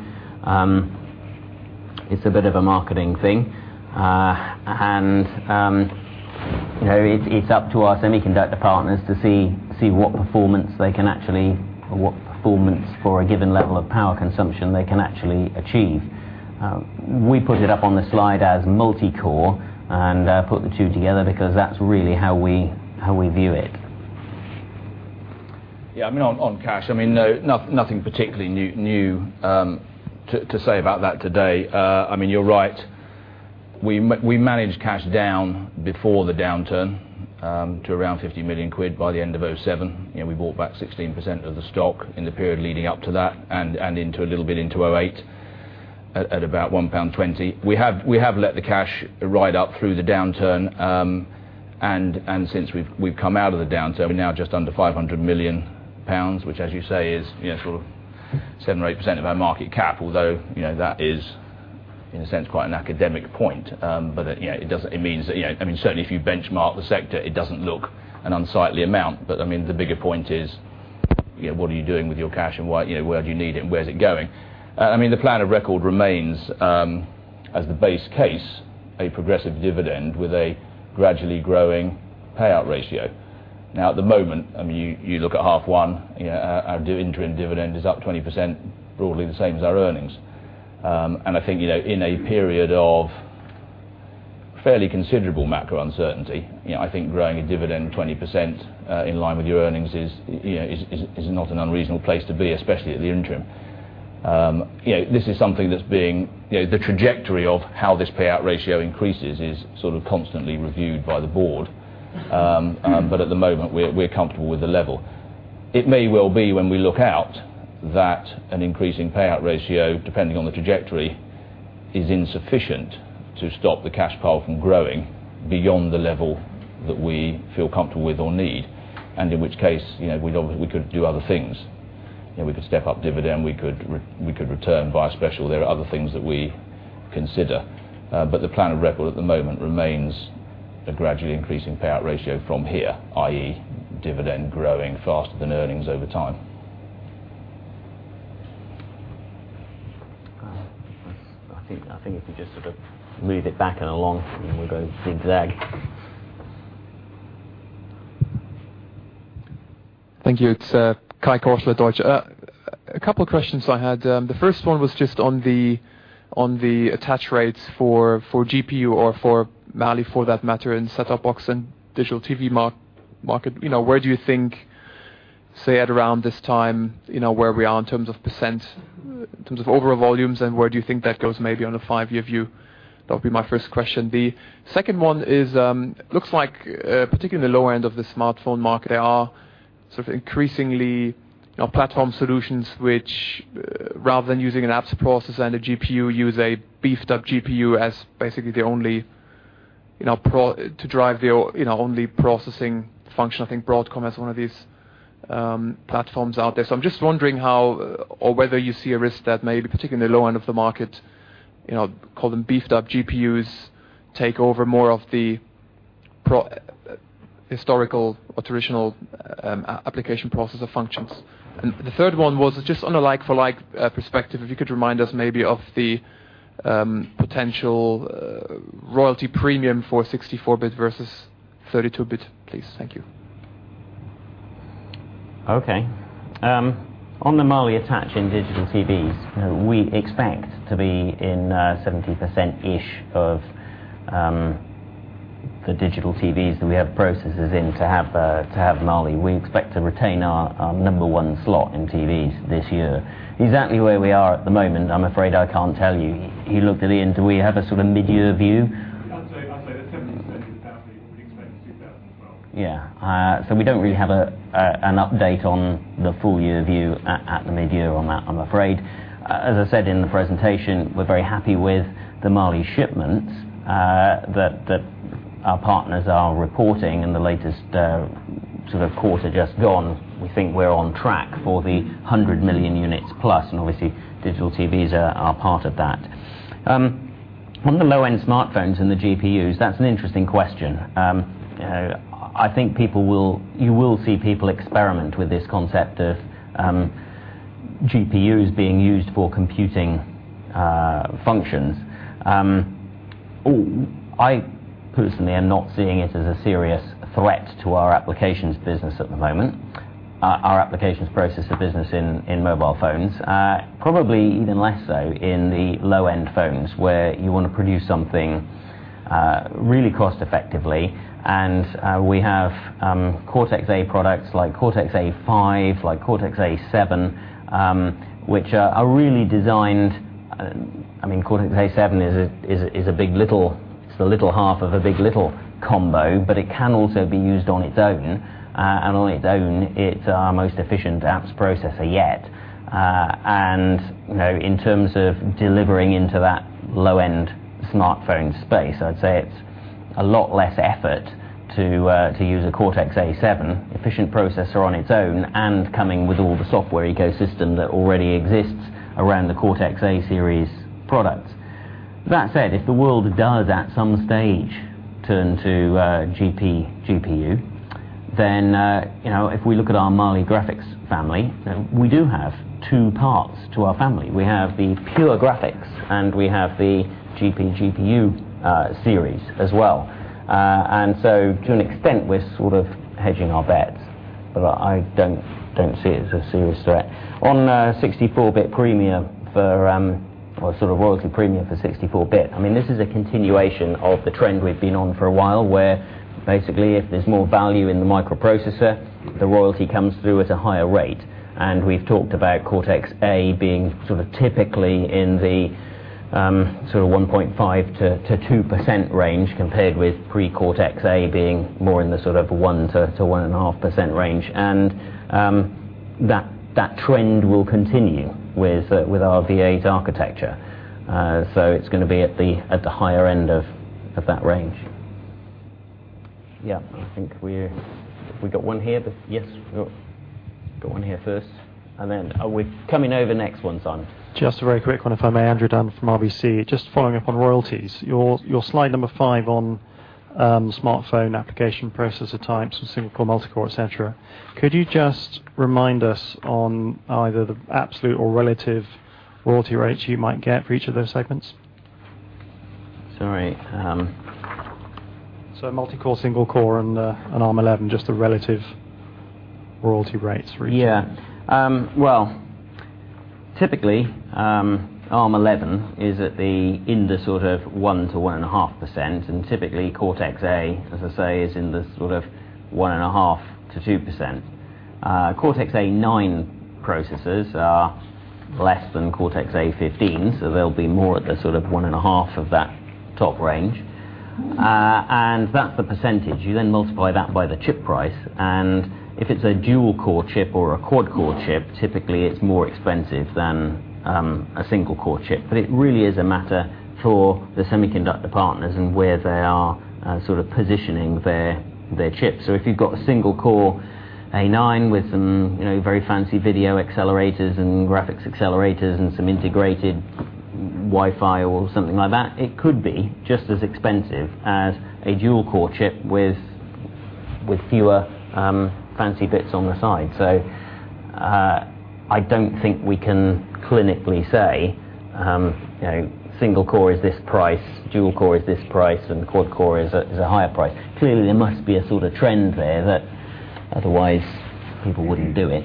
It's a bit of a marketing thing. It's up to our semiconductor partners to see what performance for a given level of power consumption they can actually achieve. We put it up on the slide as multi-core, put the two together because that's really how we view it. On cash, nothing particularly new to say about that today. You're right. We managed cash down before the downturn to around 50 million quid by the end of 2007. We bought back 16% of the stock in the period leading up to that and a little bit into 2008 at about 1.20 pound. We have let the cash ride up through the downturn. Since we've come out of the downturn, we're now just under 500 million pounds, which as you say is sort of 7% or 8% of our market cap, although that is in a sense quite an academic point. Certainly if you benchmark the sector, it doesn't look an unsightly amount. The bigger point is, what are you doing with your cash and where do you need it and where is it going? The plan of record remains, as the base case, a progressive dividend with a gradually growing payout ratio. At the moment, you look at half one, our interim dividend is up 20%, broadly the same as our earnings. I think in a period of fairly considerable macro uncertainty, I think growing a dividend 20% in line with your earnings is not an unreasonable place to be, especially at the interim. The trajectory of how this payout ratio increases is sort of constantly reviewed by the board. At the moment, we're comfortable with the level. It may well be when we look out that an increasing payout ratio, depending on the trajectory, is insufficient to stop the cash pile from growing beyond the level that we feel comfortable with or need, and in which case, we could do other things. We could step up dividend. We could return via special. There are other things that we consider. The plan of record at the moment remains a gradually increasing payout ratio from here, i.e. dividend growing faster than earnings over time. I think if you just sort of move it back and along, we'll go zig zag. Thank you. It's Kai Korschelt, Deutsche Bank. A couple of questions I had. The first one was just on the attach rates for GPU or for Mali for that matter in set-top box and digital TV market. Where do you think, say at around this time, where we are in terms of %, in terms of overall volumes, and where do you think that goes maybe on a five-year view? That would be my first question. The second one is, looks like particularly in the lower end of the smartphone market, there are sort of increasingly platform solutions which rather than using an apps processor and a GPU, use a beefed up GPU as basically to drive the only processing function. I think Broadcom has one of these platforms out there. I'm just wondering how or whether you see a risk that maybe particularly in the low end of the market, call them beefed up GPUs take over more of the historical or traditional application processor functions. The third one was just on a like for like perspective, if you could remind us maybe of the potential royalty premium for 64-bit versus 32-bit, please. Thank you. Okay. On the Mali attach in digital TVs, we expect to be in 70%-ish of the digital TVs that we have processors in to have Mali. We expect to retain our number one slot in TVs this year. Exactly where we are at the moment, I'm afraid I can't tell you. You looked at Ian. Do we have a sort of mid-year view? I'd say the 70% capacity we expect is 2012. We don't really have an update on the full year view at the mid-year on that, I'm afraid. As I said in the presentation, we're very happy with the Mali shipments that our partners are reporting in the latest sort of quarter just gone. We think we're on track for the 100 million units plus, and obviously, digital TVs are part of that. On the low-end smartphones and the GPUs, that's an interesting question. I think you will see people experiment with this concept of GPUs being used for computing functions. I personally am not seeing it as a serious threat to our applications business at the moment. Our applications processor business in mobile phones. Probably even less so in the low-end phones where you want to produce something really cost effectively. We have Cortex-A products like Cortex-A5, like Cortex-A7, which are really designed. I mean, Cortex-A7 is the little half of a big. LITTLE combo, but it can also be used on its own, and on its own, it's our most efficient apps processor yet. In terms of delivering into that low-end smartphone space, I'd say it's a lot less effort to use a Cortex-A7 efficient processor on its own and coming with all the software ecosystem that already exists around the Cortex-A series products. That said, if the world does at some stage turn to GPGPU, then if we look at our Mali graphics family, we do have two parts to our family. We have the pure graphics, and we have the GPGPU series as well. To an extent, we're sort of hedging our bets, but I don't see it as a serious threat. On 64-bit premium for, or sort of royalty premium for 64-bit, I mean, this is a continuation of the trend we've been on for a while, where basically if there's more value in the microprocessor, the royalty comes through at a higher rate. We've talked about Cortex-A being sort of typically in the 1.5%-2% range, compared with pre-Cortex-A being more in the sort of 1%-1.5% range. That trend will continue with our V8 architecture. It's going to be at the higher end of that range. I think we got one here, but yes. Got one here first, and then we're coming over next one, Simon. Just a very quick one, if I may. Andrew Dunn from RBC. Just following up on royalties. Your slide number five on smartphone application processor types from single-core, multi-core, et cetera. Could you just remind us on either the absolute or relative royalty rates you might get for each of those segments? Sorry. Multi-core, single core, and ARM11, just the relative royalty rates for each. Well, typically, ARM11 is at the in the sort of 1%-1.5%, and typically Cortex-A, as I say, is in the sort of 1.5%-2%. Cortex-A9 processors are less than Cortex-A15, so they'll be more at the sort of 1.5% of that top range. That's the percentage. You then multiply that by the chip price, if it's a dual core chip or a quad core chip, typically it's more expensive than a single core chip. It really is a matter for the semiconductor partners and where they are sort of positioning their chips. If you've got a single core A9 with some very fancy video accelerators and graphics accelerators and some integrated Wi-Fi or something like that, it could be just as expensive as a dual core chip with fewer fancy bits on the side. I don't think we can clinically say single core is this price, dual core is this price, and quad core is a higher price. Clearly, there must be a sort of trend there that otherwise people wouldn't do it.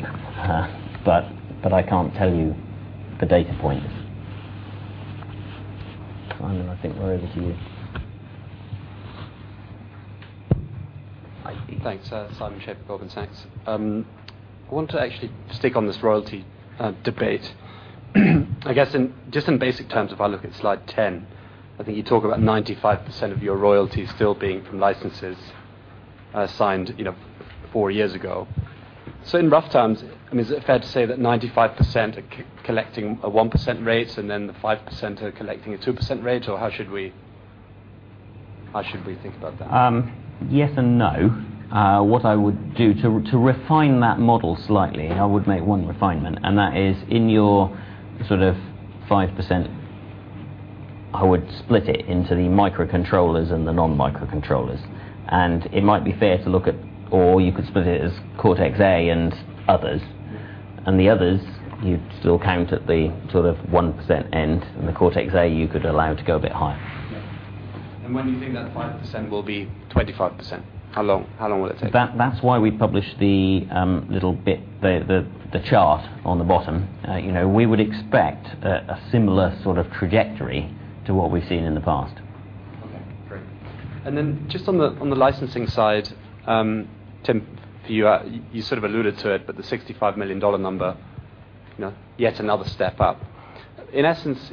I can't tell you the data points. Simon, I think we're over here. Hi. Thanks. Simon Schafer, Goldman Sachs. I want to actually stick on this royalty debate. I guess in just in basic terms, if I look at slide 10, I think you talk about 95% of your royalties still being from licenses signed four years ago. In rough terms, I mean, is it fair to say that 95% are collecting a 1% rate and then the 5% are collecting a 2% rate, or how should we think about that? Yes and no. What I would do to refine that model slightly, I would make one refinement, and that is in your sort of 5%, I would split it into the microcontrollers and the non-microcontrollers. It might be fair to look at, or you could split it as Cortex-A and others. The others, you'd still count at the sort of 1% end, the Cortex-A, you could allow to go a bit higher. When do you think that 5% will be 25%? How long will it take? That's why we published the little bit, the chart on the bottom. We would expect a similar sort of trajectory to what we've seen in the past. Okay, great. Then just on the licensing side, Tim, for you sort of alluded to it, but the $65 million number, yet another step up. In essence,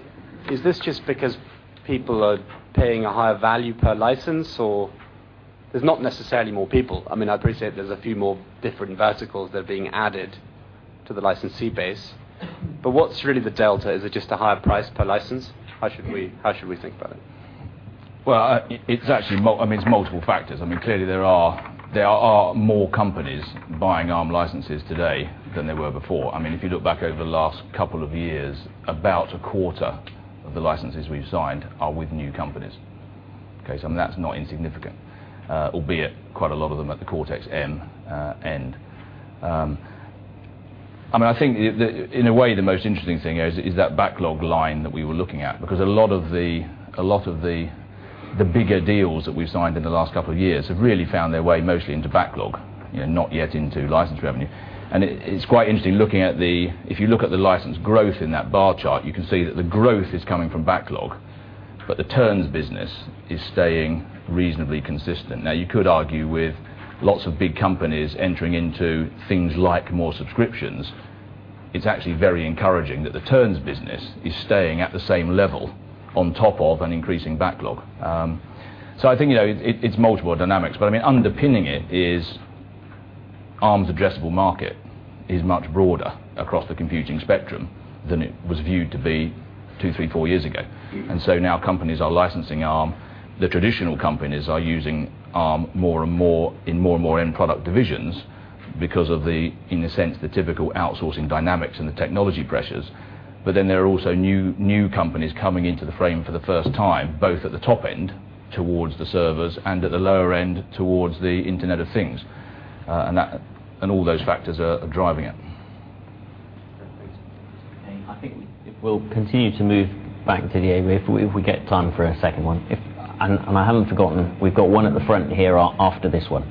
is this just because people are paying a higher value per license? There's not necessarily more people. I appreciate there's a few more different verticals that are being added to the licensee base, but what's really the delta? Is it just a higher price per license? How should we think about it? Well, it's actually multiple factors. Clearly, there are more companies buying Arm licenses today than there were before. If you look back over the last couple of years, about a quarter of the licenses we've signed are with new companies. That's not insignificant. Albeit quite a lot of them at the Cortex-M end. I think in a way, the most interesting thing is that backlog line that we were looking at, because a lot of the bigger deals that we've signed in the last couple of years have really found their way mostly into backlog, not yet into license revenue. It's quite interesting looking at the If you look at the license growth in that bar chart, you can see that the growth is coming from backlog, but the turns business is staying reasonably consistent. You could argue with lots of big companies entering into things like more subscriptions. It's actually very encouraging that the turns business is staying at the same level on top of an increasing backlog. I think, it's multiple dynamics, but underpinning it is Arm's addressable market is much broader across the computing spectrum than it was viewed to be two, three, four years ago. Now companies are licensing Arm. The traditional companies are using Arm more and more in more and more end product divisions because of the, in a sense, the typical outsourcing dynamics and the technology pressures. There are also new companies coming into the frame for the first time, both at the top end towards the servers and at the lower end towards the Internet of Things. All those factors are driving it. Great. I think we'll continue to move back to the AV if we get time for a second one. I haven't forgotten, we've got one at the front here after this one.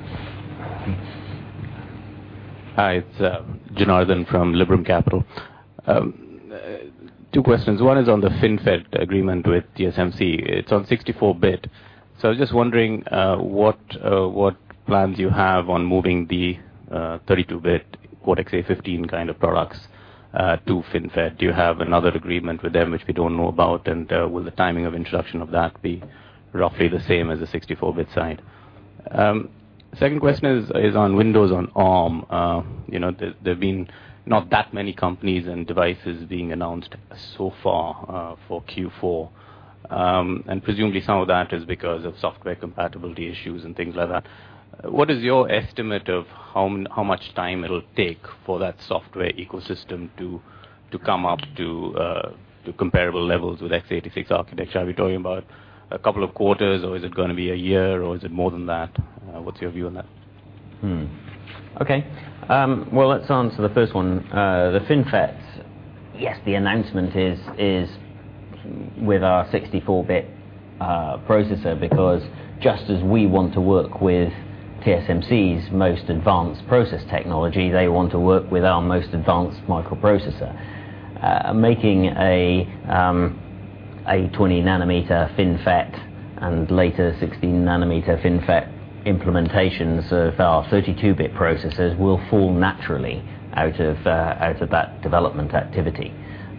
Hi, it's Janardan from Liberum Capital. Two questions. One is on the FinFET agreement with TSMC. It's on 64-bit. I was just wondering what plans you have on moving the 32-bit Cortex-A15 kind of products to FinFET. Do you have another agreement with them which we don't know about? Will the timing of introduction of that be roughly the same as the 64-bit side? Second question is on Windows on Arm. There have been not that many companies and devices being announced so far for Q4. Presumably some of that is because of software compatibility issues and things like that. What is your estimate of how much time it'll take for that software ecosystem to come up to comparable levels with x86 architecture? Are we talking about a couple of quarters, or is it going to be a year, or is it more than that? What's your view on that? Well, let's answer the first one. The FinFET. Yes, the announcement is with our 64-bit processor because just as we want to work with TSMC's most advanced process technology, they want to work with our most advanced microprocessor. Making a 20-nanometer FinFET and later 16-nanometer FinFET implementations of our 32-bit processors will fall naturally out of that development activity.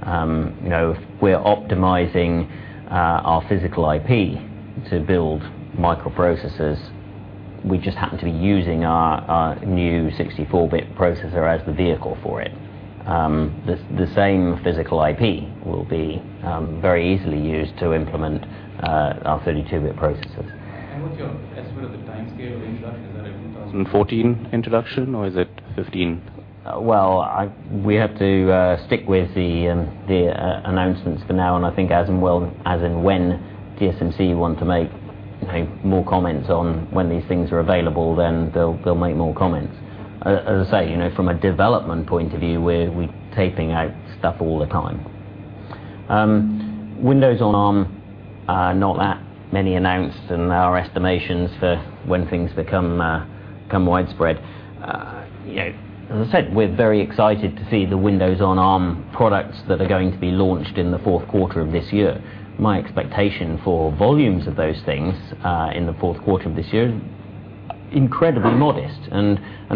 We're optimizing our Physical IP to build microprocessors. We just happen to be using our new 64-bit processor as the vehicle for it. The same Physical IP will be very easily used to implement our 32-bit processors. What's your estimate of the timescale of introduction? Is that a 2014 introduction or is it 2015? Well, we have to stick with the announcements for now. I think as and when TSMC want to make more comments on when these things are available, then they'll make more comments. As I say, from a development point of view, we're taping out stuff all the time. Windows on Arm, not that many announced. Our estimations for when things become widespread. As I said, we're very excited to see the Windows on Arm products that are going to be launched in the fourth quarter of this year. My expectation for volumes of those things in the fourth quarter of this year, incredibly modest.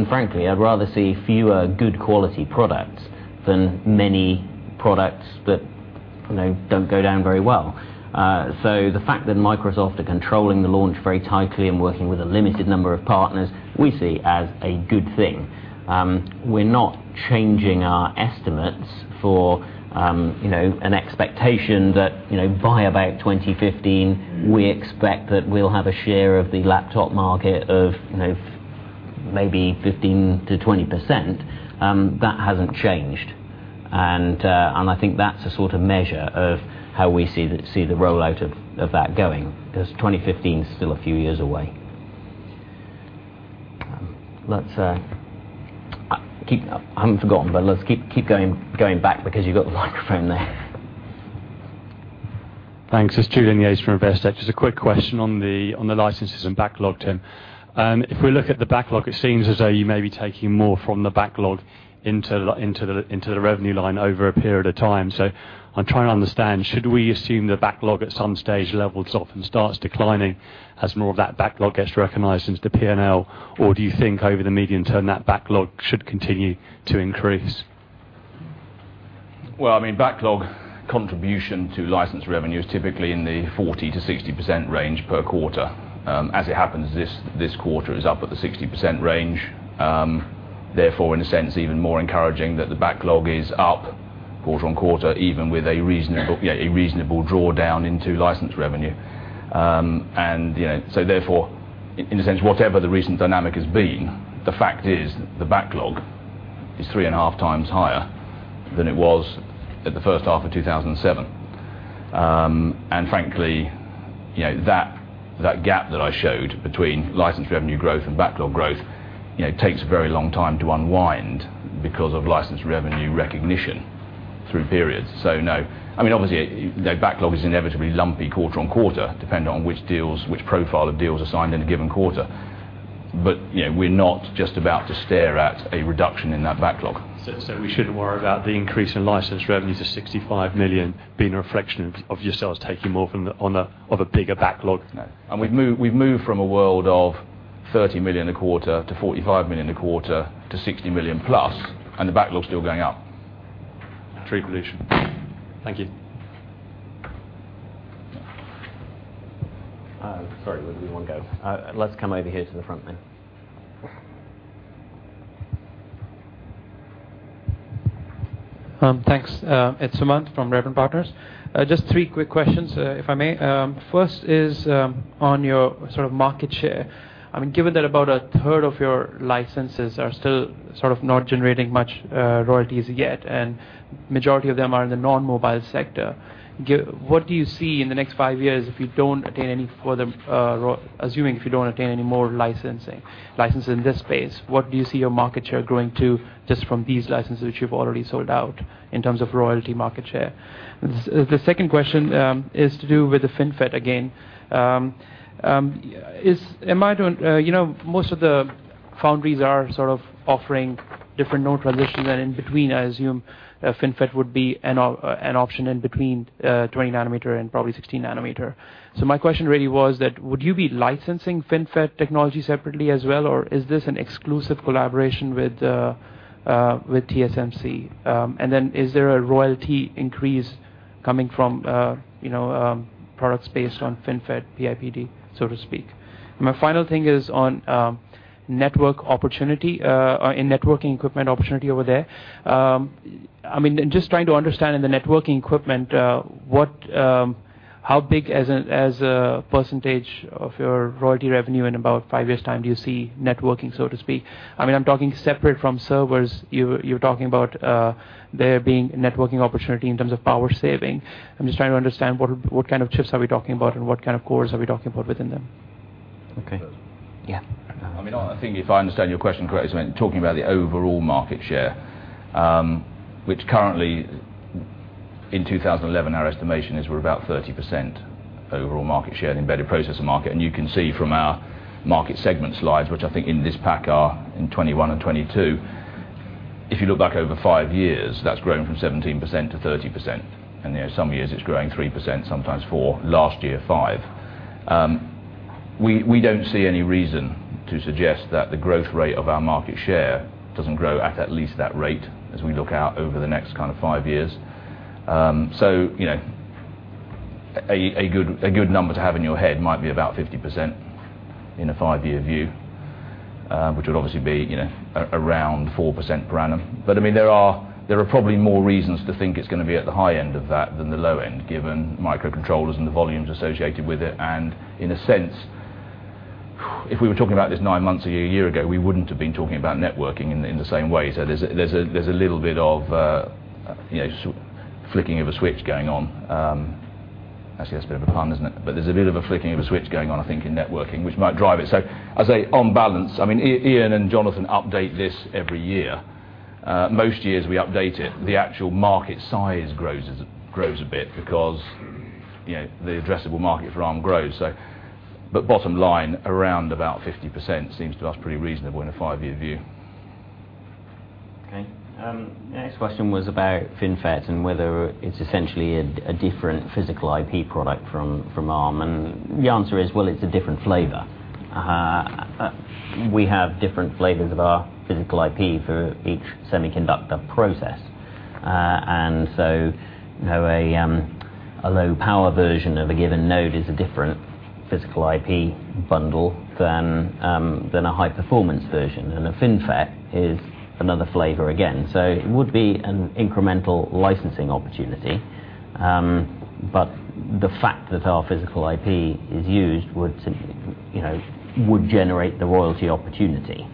Frankly, I'd rather see fewer good quality products than many products that don't go down very well. The fact that Microsoft are controlling the launch very tightly and working with a limited number of partners, we see as a good thing. We're not changing our estimates for an expectation that by about 2015, we expect that we'll have a share of the laptop market of maybe 15%-20%. That hasn't changed. I think that's a sort of measure of how we see the rollout of that going, because 2015 is still a few years away. I haven't forgotten, let's keep going back because you've got the microphone there. Thanks. It's Julian Yates from Investec. Just a quick question on the licenses and backlog, Tim. If we look at the backlog, it seems as though you may be taking more from the backlog into the revenue line over a period of time. I'm trying to understand, should we assume the backlog at some stage levels off and starts declining as more of that backlog gets recognized into P&L? Do you think over the medium term, that backlog should continue to increase? Well, backlog contribution to license revenue is typically in the 40%-60% range per quarter. As it happens, this quarter is up at the 60% range. Therefore, in a sense, even more encouraging that the backlog is up quarter on quarter, even with a reasonable drawdown into license revenue. Therefore, in a sense, whatever the recent dynamic has been, the fact is the backlog is three and a half times higher than it was at the first half of 2007. Frankly, that gap that I showed between license revenue growth and backlog growth takes a very long time to unwind because of license revenue recognition through periods. No. Obviously, the backlog is inevitably lumpy quarter on quarter, depending on which profile of deals are signed in a given quarter. We're not just about to stare at a reduction in that backlog. We shouldn't worry about the increase in license revenues of $ 65 million being a reflection of yourselves taking more of a bigger backlog? No. We've moved from a world of 30 million a quarter to 45 million a quarter to 60 million plus, and the backlog's still going up. Thank you. Sorry, where did my one go? Let's come over here to the front then. Thanks. It's Sumant from Redburn Partners. Just three quick questions, if I may. First is on your sort of market share. Given that about 1/3 of your licenses are still sort of not generating much royalties yet, and majority of them are in the non-mobile sector, what do you see in the next five years assuming if you don't attain any more licensing, license in this space, what do you see your market share growing to just from these licenses which you've already sold out in terms of royalty market share? The second question is to do with the FinFET again. Most of the foundries are sort of offering different node transitions, and in between, I assume FinFET would be an option in between 20 nanometer and probably 16 nanometer. My question really was that would you be licensing FinFET technology separately as well, or is this an exclusive collaboration with TSMC? Is there a royalty increase coming from products based on FinFET PIPD, so to speak? My final thing is on network opportunity, in networking equipment opportunity over there. Just trying to understand in the networking equipment, how big as a percentage of your royalty revenue in about five years' time do you see networking, so to speak? I'm talking separate from servers. You're talking about there being a networking opportunity in terms of power saving. I'm just trying to understand what kind of chips are we talking about and what kind of cores are we talking about within them? Okay. Yeah. I think if I understand your question correctly, Sumant, talking about the overall market share, which currently in 2011, our estimation is we're about 30% overall market share in the embedded processor market. You can see from our market segment slides, which I think in this pack are in 21 and 22. If you look back over five years, that's grown from 17% to 30%. There are some years it's growing 3%, sometimes four, last year, five. We don't see any reason to suggest that the growth rate of our market share doesn't grow at least that rate as we look out over the next kind of five years. A good number to have in your head might be about 50% in a five-year view, which would obviously be around 4% per annum. There are probably more reasons to think it's going to be at the high end of that than the low end, given microcontrollers and the volumes associated with it. In a sense, if we were talking about this nine months ago, a year ago, we wouldn't have been talking about networking in the same way. There's a little bit of flicking of a switch going on. Actually, that's a bit of a pun, isn't it? There's a bit of a flicking of a switch going on, I think, in networking, which might drive it. I say on balance, Ian and Jonathan update this every year. Most years we update it, the actual market size grows a bit because the addressable market for Arm grows. Bottom line, around about 50% seems to us pretty reasonable in a five-year view. Okay. The next question was about FinFET and whether it's essentially a different Physical IP product from Arm. The answer is, well, it's a different flavor. We have different flavors of our Physical IP for each semiconductor process. A low power version of a given node is a different Physical IP bundle than a high performance version. A FinFET is another flavor again. It would be an incremental licensing opportunity. The fact that our Physical IP is used would generate the royalty opportunity.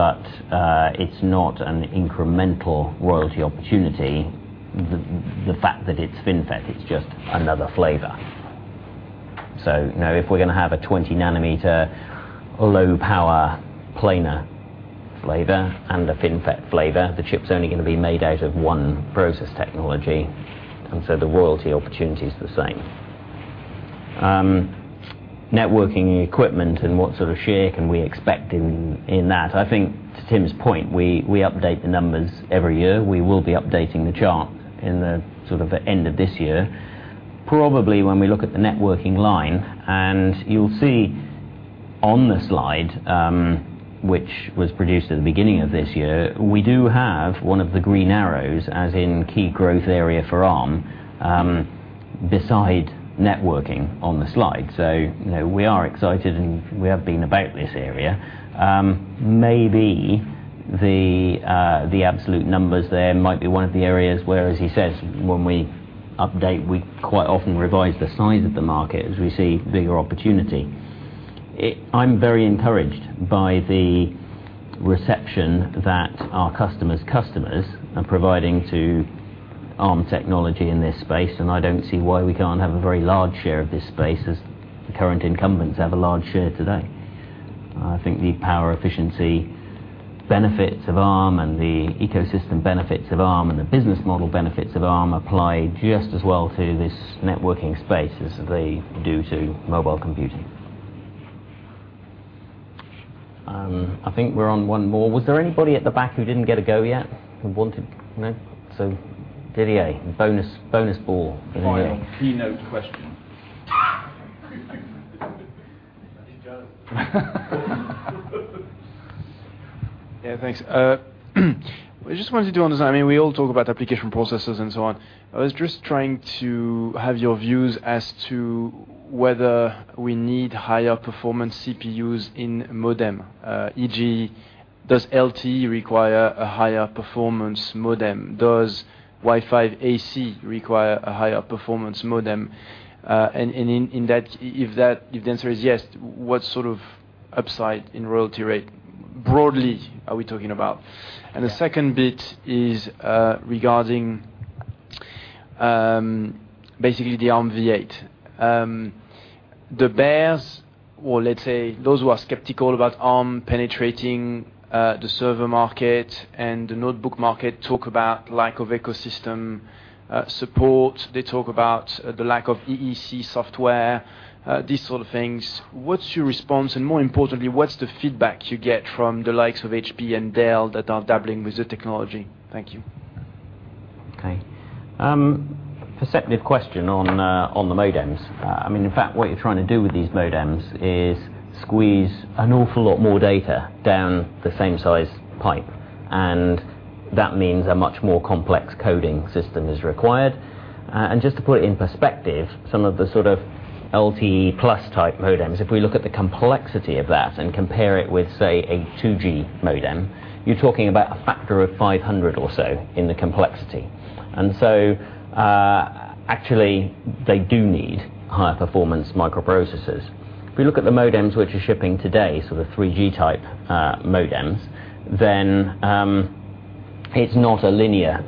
It's not an incremental royalty opportunity. The fact that it's FinFET, it's just another flavor. If we're going to have a 20 nanometer low-power planar flavor and a FinFET flavor, the chip's only going to be made out of one process technology. The royalty opportunity is the same. Networking equipment and what sort of share can we expect in that? I think to Tim's point, we update the numbers every year. We will be updating the chart in the end of this year. Probably when we look at the networking line, and you'll see on the slide, which was produced at the beginning of this year, we do have one of the green arrows, as in key growth area for Arm, beside networking on the slide. We are excited and we have been about this area. Maybe the absolute numbers there might be one of the areas where, as he says, when we update, we quite often revise the size of the market as we see bigger opportunity. I'm very encouraged by the reception that our customers' customers are providing to Arm technology in this space, and I don't see why we can't have a very large share of this space as the current incumbents have a large share today. I think the power efficiency benefits of Arm and the ecosystem benefits of Arm and the business model benefits of Arm apply just as well to this networking space as they do to mobile computing. I think we're on one more. Was there anybody at the back who didn't get a go yet who wanted? No. Didier, bonus ball. Final keynote question. Yeah, thanks. I just wanted to understand, we all talk about application processors and so on. I was just trying to have your views as to whether we need higher performance CPUs in modem. e.g., does LTE require a higher performance modem? Does Wi-Fi AC require a higher performance modem? If the answer is yes, what sort of upside in royalty rate, broadly, are we talking about? The second bit is regarding basically the ARMv8. The bears, or let's say, those who are skeptical about Arm penetrating the server market and the notebook market, talk about lack of ecosystem support. They talk about the lack of ISV software, these sort of things. What's your response? More importantly, what's the feedback you get from the likes of HP and Dell that are dabbling with the technology? Thank you. Okay. Perceptive question on the modems. In fact, what you're trying to do with these modems is squeeze an awful lot more data down the same size pipe. That means a much more complex coding system is required. Just to put it in perspective, some of the LTE plus type modems, if we look at the complexity of that and compare it with, say, a 2G modem, you're talking about a factor of 500 or so in the complexity. Actually, they do need higher performance microprocessors. If we look at the modems which are shipping today, so the 3G type modems, then it's not a linear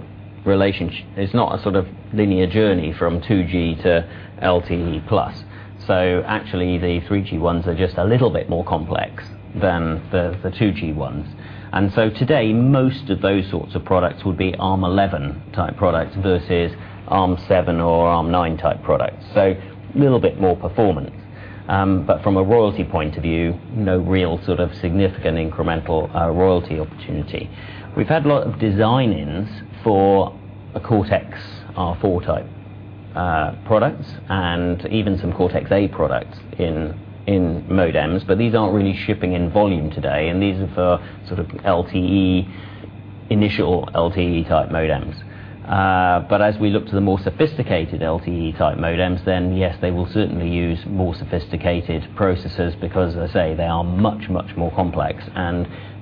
journey from 2G to LTE plus. Actually, the 3G ones are just a little bit more complex than the 2G ones. Today, most of those sorts of products would be ARM11 type products versus ARM7 or ARM9 type products. A little bit more performance. From a royalty point of view, no real significant incremental royalty opportunity. We've had a lot of design-ins for a Cortex-R4 type products and even some Cortex-A products in modems, but these aren't really shipping in volume today, and these are for initial LTE type modems. As we look to the more sophisticated LTE type modems, then yes, they will certainly use more sophisticated processors because, as I say, they are much, much more complex.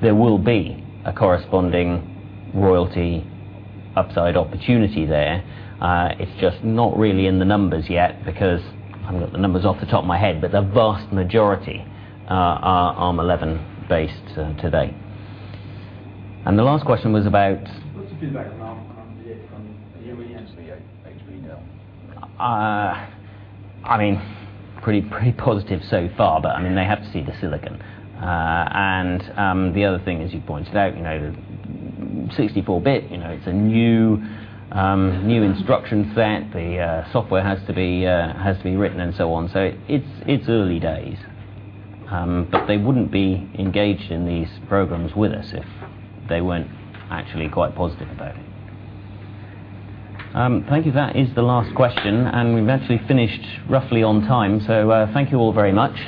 There will be a corresponding royalty upside opportunity there. It's just not really in the numbers yet because, I haven't got the numbers off the top of my head, but the vast majority are ARM11 based today. The last question was about? What's the feedback on ARMv8 from the OEMs? Hewlett-Packard, Dell? Pretty positive so far, but they have to see the silicon. The other thing, as you pointed out, 64-bit, it's a new instruction set. The software has to be written and so on. It's early days. They wouldn't be engaged in these programs with us if they weren't actually quite positive about it. Thank you. That is the last question. We've actually finished roughly on time. Thank you all very much.